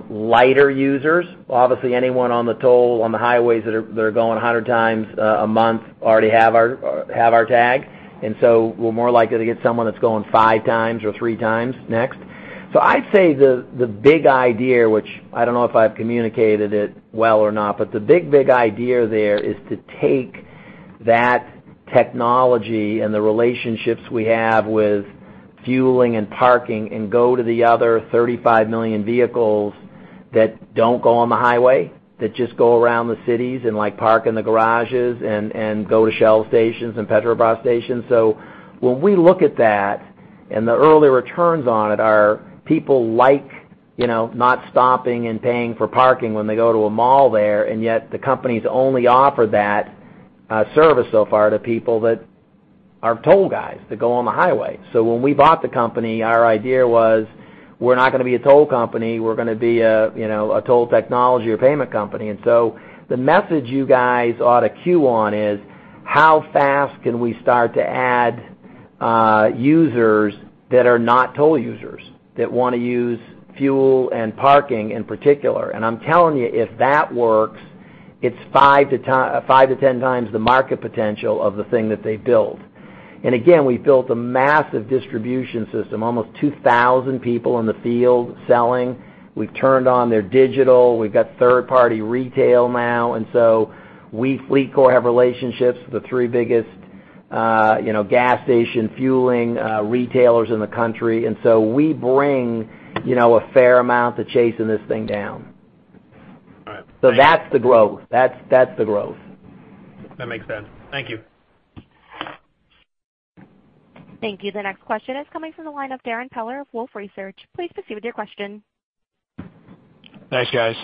lighter users. Obviously, anyone on the toll on the highways that are going 100 times a month already have our tag. We're more likely to get someone that's going five times or three times next. I'd say the big idea, which I don't know if I've communicated it well or not, but the big idea there is to take that technology and the relationships we have with fueling and parking and go to the other 35 million vehicles that don't go on the highway, that just go around the cities and park in the garages and go to Shell stations and Petrobras stations. When we look at that and the early returns on it are people like not stopping and paying for parking when they go to a mall there, and yet the companies only offer that service so far to people that are toll guys that go on the highway. When we bought the company, our idea was, we're not going to be a toll company. We're going to be a toll technology or payment company. The message you guys ought to cue on is how fast can we start to add users that are not toll users that want to use fuel and parking in particular. I'm telling you, if that works, it's 5 to 10 times the market potential of the thing that they built. Again, we built a massive distribution system, almost 2,000 people in the field selling. We've turned on their digital. We've got third-party retail now. We, FleetCor, have relationships with the three biggest gas station fueling retailers in the country. We bring a fair amount to chasing this thing down. All right. That's the growth. That makes sense. Thank you. Thank you. The next question is coming from the line of Darrin Peller of Wolfe Research. Please proceed with your question. Thanks, guys.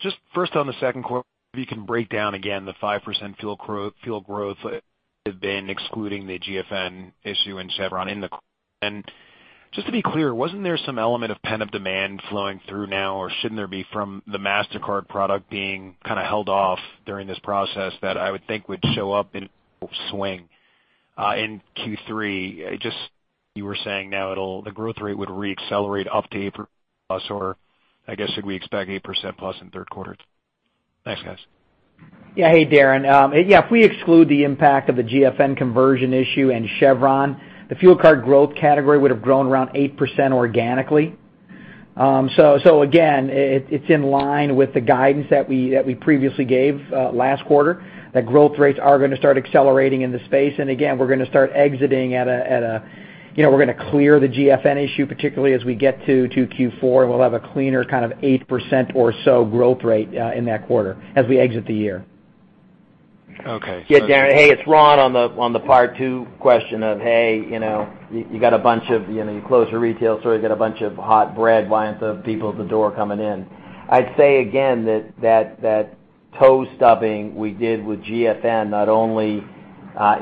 Just first on the second quarter, if you can break down again the 5% fuel growth have been excluding the GFN issue and Chevron in the quarter. Just to be clear, wasn't there some element of pent-up demand flowing through now or shouldn't there be from the Mastercard product being kind of held off during this process that I would think would show up in swing in Q3? Just you were saying now the growth rate would re-accelerate up to 8% plus, or I guess, should we expect 8% plus in third quarter? Thanks, guys. Yeah. Hey, Darrin. Yeah, if we exclude the impact of the GFN conversion issue and Chevron, the fuel card growth category would have grown around 8% organically. Again, it's in line with the guidance that we previously gave last quarter, that growth rates are going to start accelerating in the space. Again, we're going to clear the GFN issue, particularly as we get to Q4, and we'll have a cleaner kind of 8% or so growth rate in that quarter as we exit the year. Okay. Yeah, Darrin, hey, it's Ron on the part two question of, hey, you got a bunch of, you close a retail store, you've got a bunch of hot bread lines of people at the door coming in. I'd say again that toe stubbing we did with GFN not only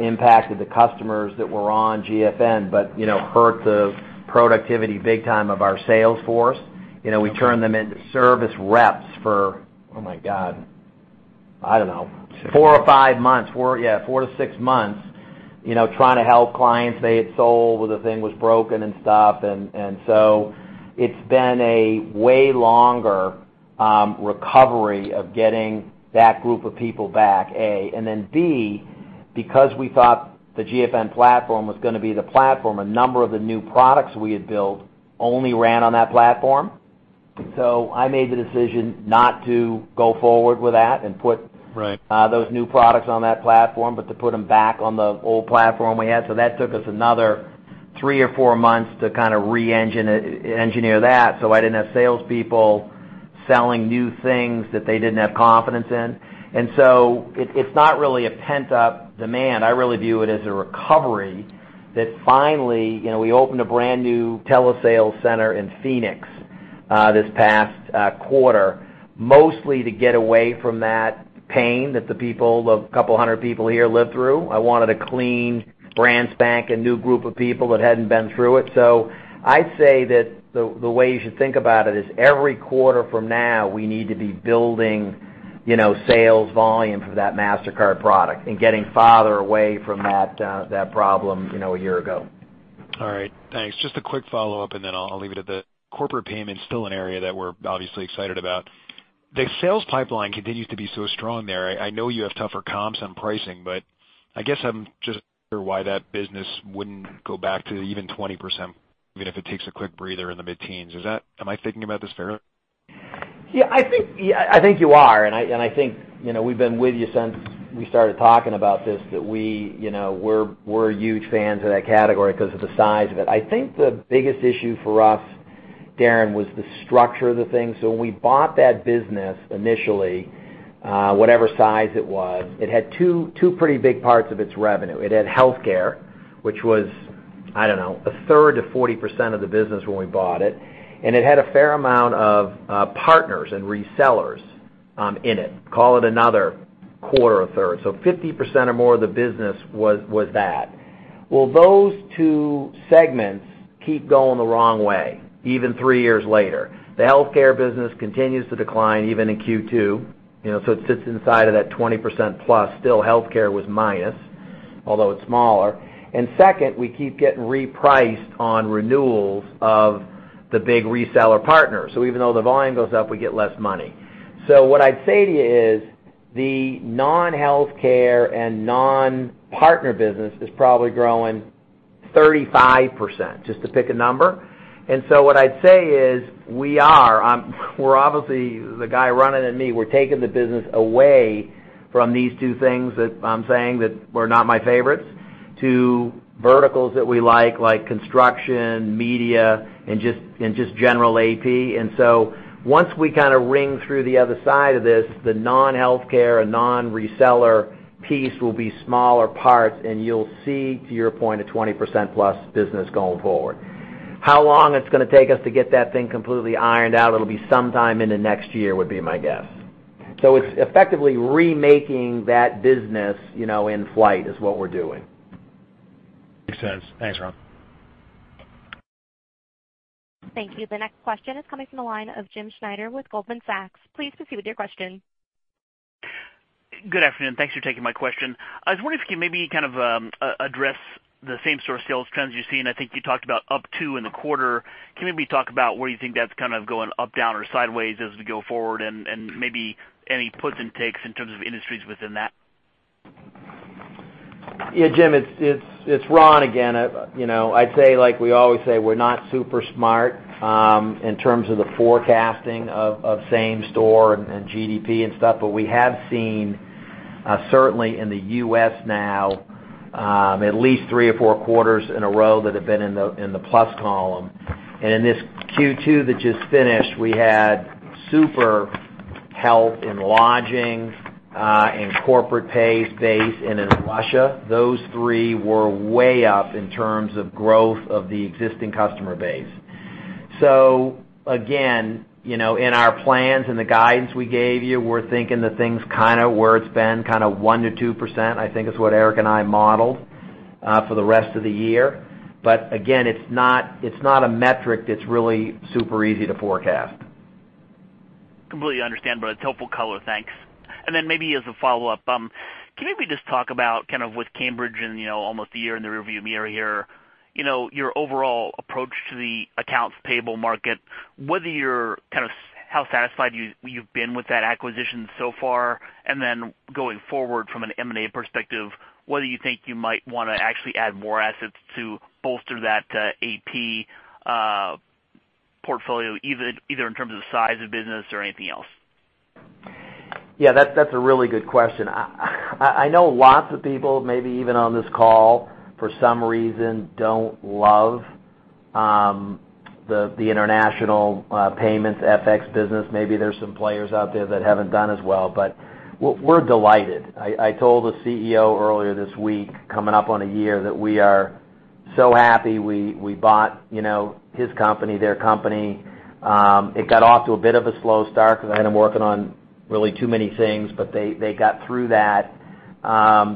impacted the customers that were on GFN, but hurt the productivity big time of our sales force. We turned them into service reps for, oh, my God, I don't know, four or five months. Yeah, four to six months trying to help clients they had sold, but the thing was broken and stuff. It's been a way longer recovery of getting that group of people back, A. Then B, because we thought the GFN platform was going to be the platform, a number of the new products we had built only ran on that platform. I made the decision not to go forward with that and put- Right those new products on that platform, but to put them back on the old platform we had. That took us another three or four months to kind of re-engineer that. I didn't have salespeople selling new things that they didn't have confidence in. It's not really a pent-up demand. I really view it as a recovery that finally, we opened a brand new telesales center in Phoenix this past quarter, mostly to get away from that pain that the people, the couple of 100 people here lived through. I wanted a clean, brand spanking new group of people that hadn't been through it. I'd say that the way you should think about it is every quarter from now, we need to be building sales volume for that Mastercard product and getting farther away from that problem a year ago. All right. Thanks. Just a quick follow-up, and then I'll leave it at that. Corporate payment's still an area that we're obviously excited about. The sales pipeline continues to be so strong there. I know you have tougher comps on pricing, but I guess I'm just wondering why that business wouldn't go back to even 20%, even if it takes a quick breather in the mid-teens. Am I thinking about this fairly? Yeah, I think you are, and I think we've been with you since we started talking about this, that we're huge fans of that category because of the size of it. I think the biggest issue for us, Darrin, was the structure of the thing. When we bought that business initially, whatever size it was, it had two pretty big parts of its revenue. It had healthcare, which was, I don't know, a third to 40% of the business when we bought it, and it had a fair amount of partners and resellers in it, call it another quarter, a third. 50% or more of the business was that. Those two segments keep going the wrong way, even three years later. The healthcare business continues to decline even in Q2. It sits inside of that 20% plus. Still, healthcare was minus, although it's smaller. Second, we keep getting repriced on renewals of the big reseller partners. Even though the volume goes up, we get less money. What I'd say to you is the non-healthcare and non-partner business is probably growing 35%, just to pick a number. What I'd say is we're obviously the guy running it, me, we're taking the business away from these two things that I'm saying that were not my favorites to verticals that we like construction, media, and just general AP. Once we kind of ring through the other side of this, the non-healthcare and non-reseller piece will be smaller parts, and you'll see, to your point, a 20% plus business going forward. How long it's going to take us to get that thing completely ironed out, it'll be sometime in the next year, would be my guess. It's effectively remaking that business in flight is what we're doing. Makes sense. Thanks, Ron. Thank you. The next question is coming from the line of James Schneider with Goldman Sachs. Please proceed with your question. Good afternoon. Thanks for taking my question. I was wondering if you maybe kind of address the same-store sales trends you've seen. I think you talked about up two in the quarter. Can you maybe talk about where you think that's kind of going up, down, or sideways as we go forward, and maybe any puts and takes in terms of industries within that? Yeah, Jim, it's Ron again. I'd say, like we always say, we're not super smart in terms of the forecasting of same-store and GDP and stuff, we have seen, certainly in the U.S. now, at least three or four quarters in a row that have been in the plus column. In this Q2 that just finished, we had super help in lodging, in corporate pay space, and in Russia. Those three were way up in terms of growth of the existing customer base. Again, in our plans and the guidance we gave you, we're thinking that things kind of where it's been, kind of 1%-2%, I think is what Eric and I modeled for the rest of the year. Again, it's not a metric that's really super easy to forecast. Completely understand, but it's helpful color. Thanks. Maybe as a follow-up, can you maybe just talk about kind of with Cambridge and almost a year in the rear view mirror here, your overall approach to the accounts payable market, how satisfied you've been with that acquisition so far, going forward from an M&A perspective, whether you think you might want to actually add more assets to bolster that AP portfolio, either in terms of the size of business or anything else? That's a really good question. I know lots of people, maybe even on this call, for some reason, don't love the international payments FX business. Maybe there's some players out there that haven't done as well. We're delighted. I told the CEO earlier this week, coming up on a year, that we are so happy we bought his company, their company. It got off to a bit of a slow start because I had them working on really too many things, but they got through that.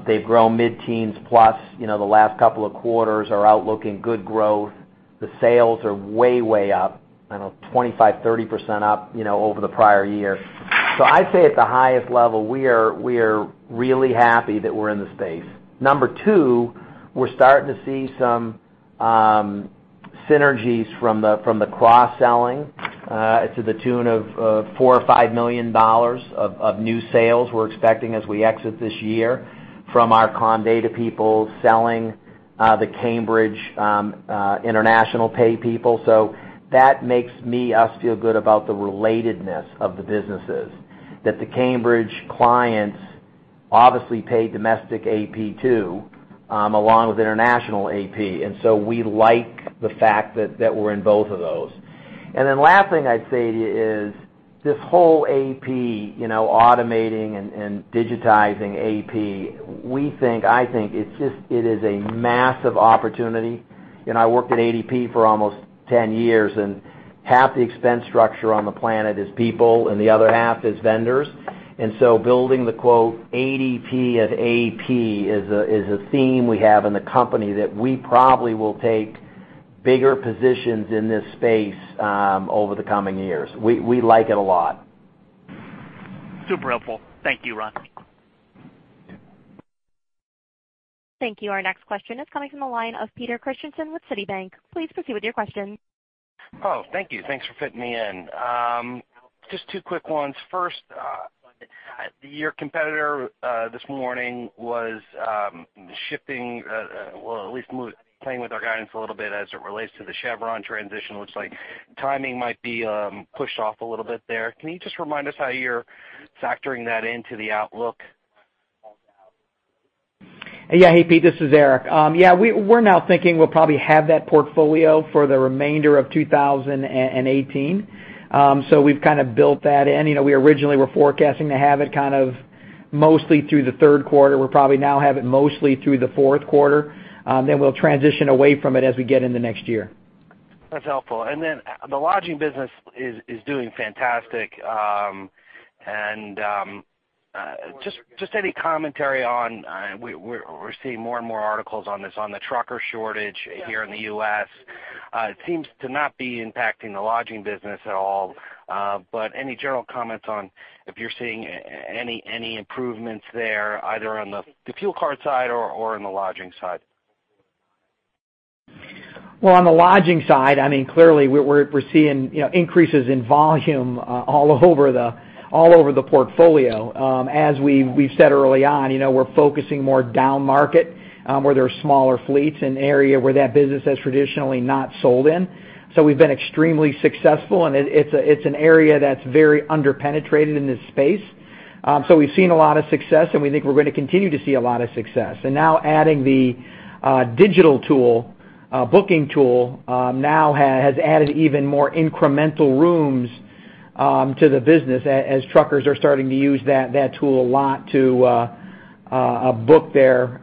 They've grown mid-teens plus. The last couple of quarters are outlooking good growth. The sales are way up. I don't know, 25%, 30% up over the prior year. I'd say at the highest level, we are really happy that we're in the space. Number 2, we're starting to see some synergies from the cross-selling to the tune of $4 million or $5 million of new sales we're expecting as we exit this year from our Comdata people selling the Cambridge international pay people. That makes us feel good about the relatedness of the businesses. That the Cambridge clients obviously pay domestic AP too along with international AP, we like the fact that we're in both of those. Last thing I'd say to you is this whole AP, automating and digitizing AP, we think, I think, it is a massive opportunity. I worked at ADP for almost 10 years, half the expense structure on the planet is people, and the other half is vendors. Building the, quote, "ADP of AP" is a theme we have in the company that we probably will take bigger positions in this space over the coming years. We like it a lot. Super helpful. Thank you, Ron. Thank you. Our next question is coming from the line of Peter Christiansen with Citibank. Please proceed with your question. Oh, thank you. Thanks for fitting me in. Just two quick ones. First, your competitor this morning was shifting, well, at least playing with our guidance a little bit as it relates to the Chevron transition. Looks like timing might be pushed off a little bit there. Can you just remind us how you're factoring that into the outlook? Yeah. Hey, Pete, this is Eric. Yeah, we're now thinking we'll probably have that portfolio for the remainder of 2018. We've kind of built that in. We originally were forecasting to have it kind of mostly through the third quarter. We'll probably now have it mostly through the fourth quarter. We'll transition away from it as we get in the next year. That's helpful. The lodging business is doing fantastic. Just any commentary on, we're seeing more and more articles on this, on the trucker shortage here in the U.S. It seems to not be impacting the lodging business at all. Any general comments on if you're seeing any improvements there, either on the fuel card side or on the lodging side? Well, on the lodging side, clearly, we're seeing increases in volume all over the portfolio. As we've said early on, we're focusing more down market, where there are smaller fleets, an area where that business has traditionally not sold in. We've been extremely successful, and it's an area that's very under-penetrated in this space. We've seen a lot of success, and we think we're going to continue to see a lot of success. Now adding the digital tool, booking tool, has added even more incremental rooms to the business as truckers are starting to use that tool a lot to book their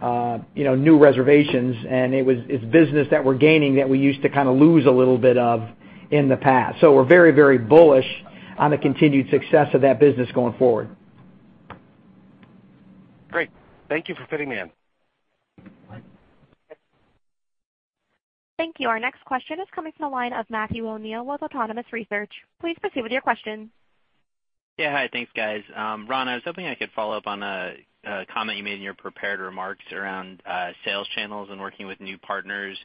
new reservations. It's business that we're gaining that we used to kind of lose a little bit of in the past. We're very bullish on the continued success of that business going forward. Great. Thank you for fitting me in. Thank you. Our next question is coming from the line of Matthew O'Neill with Autonomous Research. Please proceed with your question. Yeah. Hi. Thanks, guys. Ron, I was hoping I could follow up on a comment you made in your prepared remarks around sales channels and working with new partners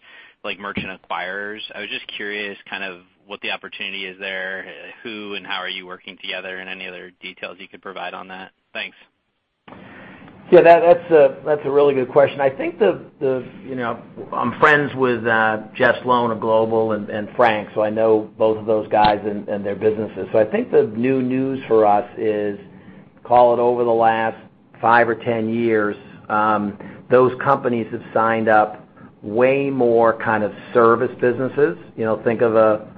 like merchant acquirers. I was just curious kind of what the opportunity is there, who and how are you working together, and any other details you could provide on that. Thanks. Yeah, that's a really good question. I'm friends with Jeff Sloan of Global and Frank, so I know both of those guys and their businesses. I think the new news for us is, call it over the last five or 10 years, those companies have signed up way more kind of service businesses. Think of a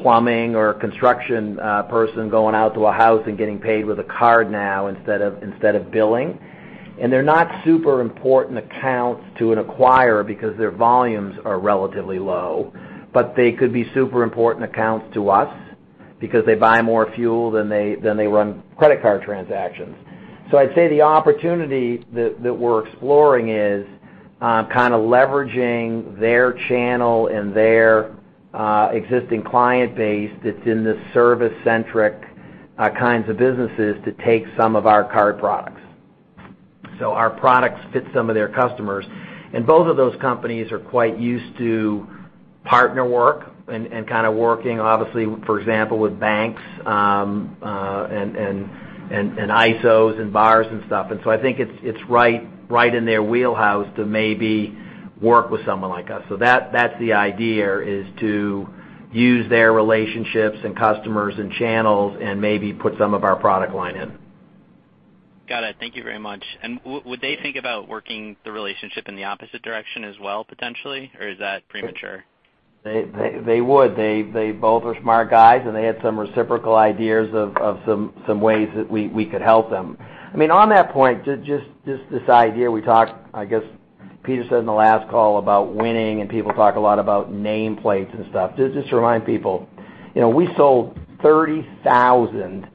plumbing or a construction person going out to a house and getting paid with a card now instead of billing. They're not super important accounts to an acquirer because their volumes are relatively low. They could be super important accounts to us because they buy more fuel than they run credit card transactions. I'd say the opportunity that we're exploring is kind of leveraging their channel and their existing client base that's in the service-centric kinds of businesses to take some of our card products. Our products fit some of their customers. Both of those companies are quite used to partner work and kind of working, obviously, for example, with banks, and ISOs and buyers and stuff. I think it's right in their wheelhouse to maybe work with someone like us. That's the idea, is to use their relationships and customers and channels and maybe put some of our product line in. Got it. Thank you very much. Would they think about working the relationship in the opposite direction as well, potentially? Or is that premature? They would. They both are smart guys, and they had some reciprocal ideas of some ways that we could help them. On that point, just this idea we talked, I guess Peter said in the last call about winning, and people talk a lot about nameplates and stuff. Just to remind people, we sold 30,000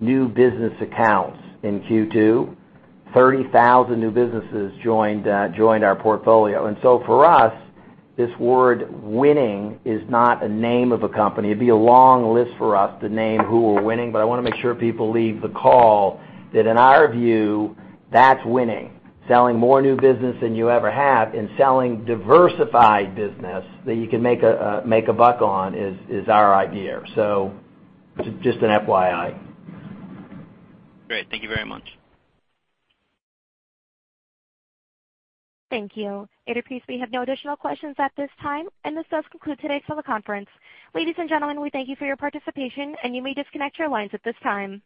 new business accounts in Q2. 30,000 new businesses joined our portfolio. For us, this word winning is not a name of a company. It'd be a long list for us to name who we're winning, but I want to make sure people leave the call that in our view, that's winning. Selling more new business than you ever have and selling diversified business that you can make a buck on is our idea. Just an FYI. Great. Thank you very much. Thank you. Operator, please, we have no additional questions at this time. This does conclude today's teleconference. Ladies and gentlemen, we thank you for your participation, and you may disconnect your lines at this time.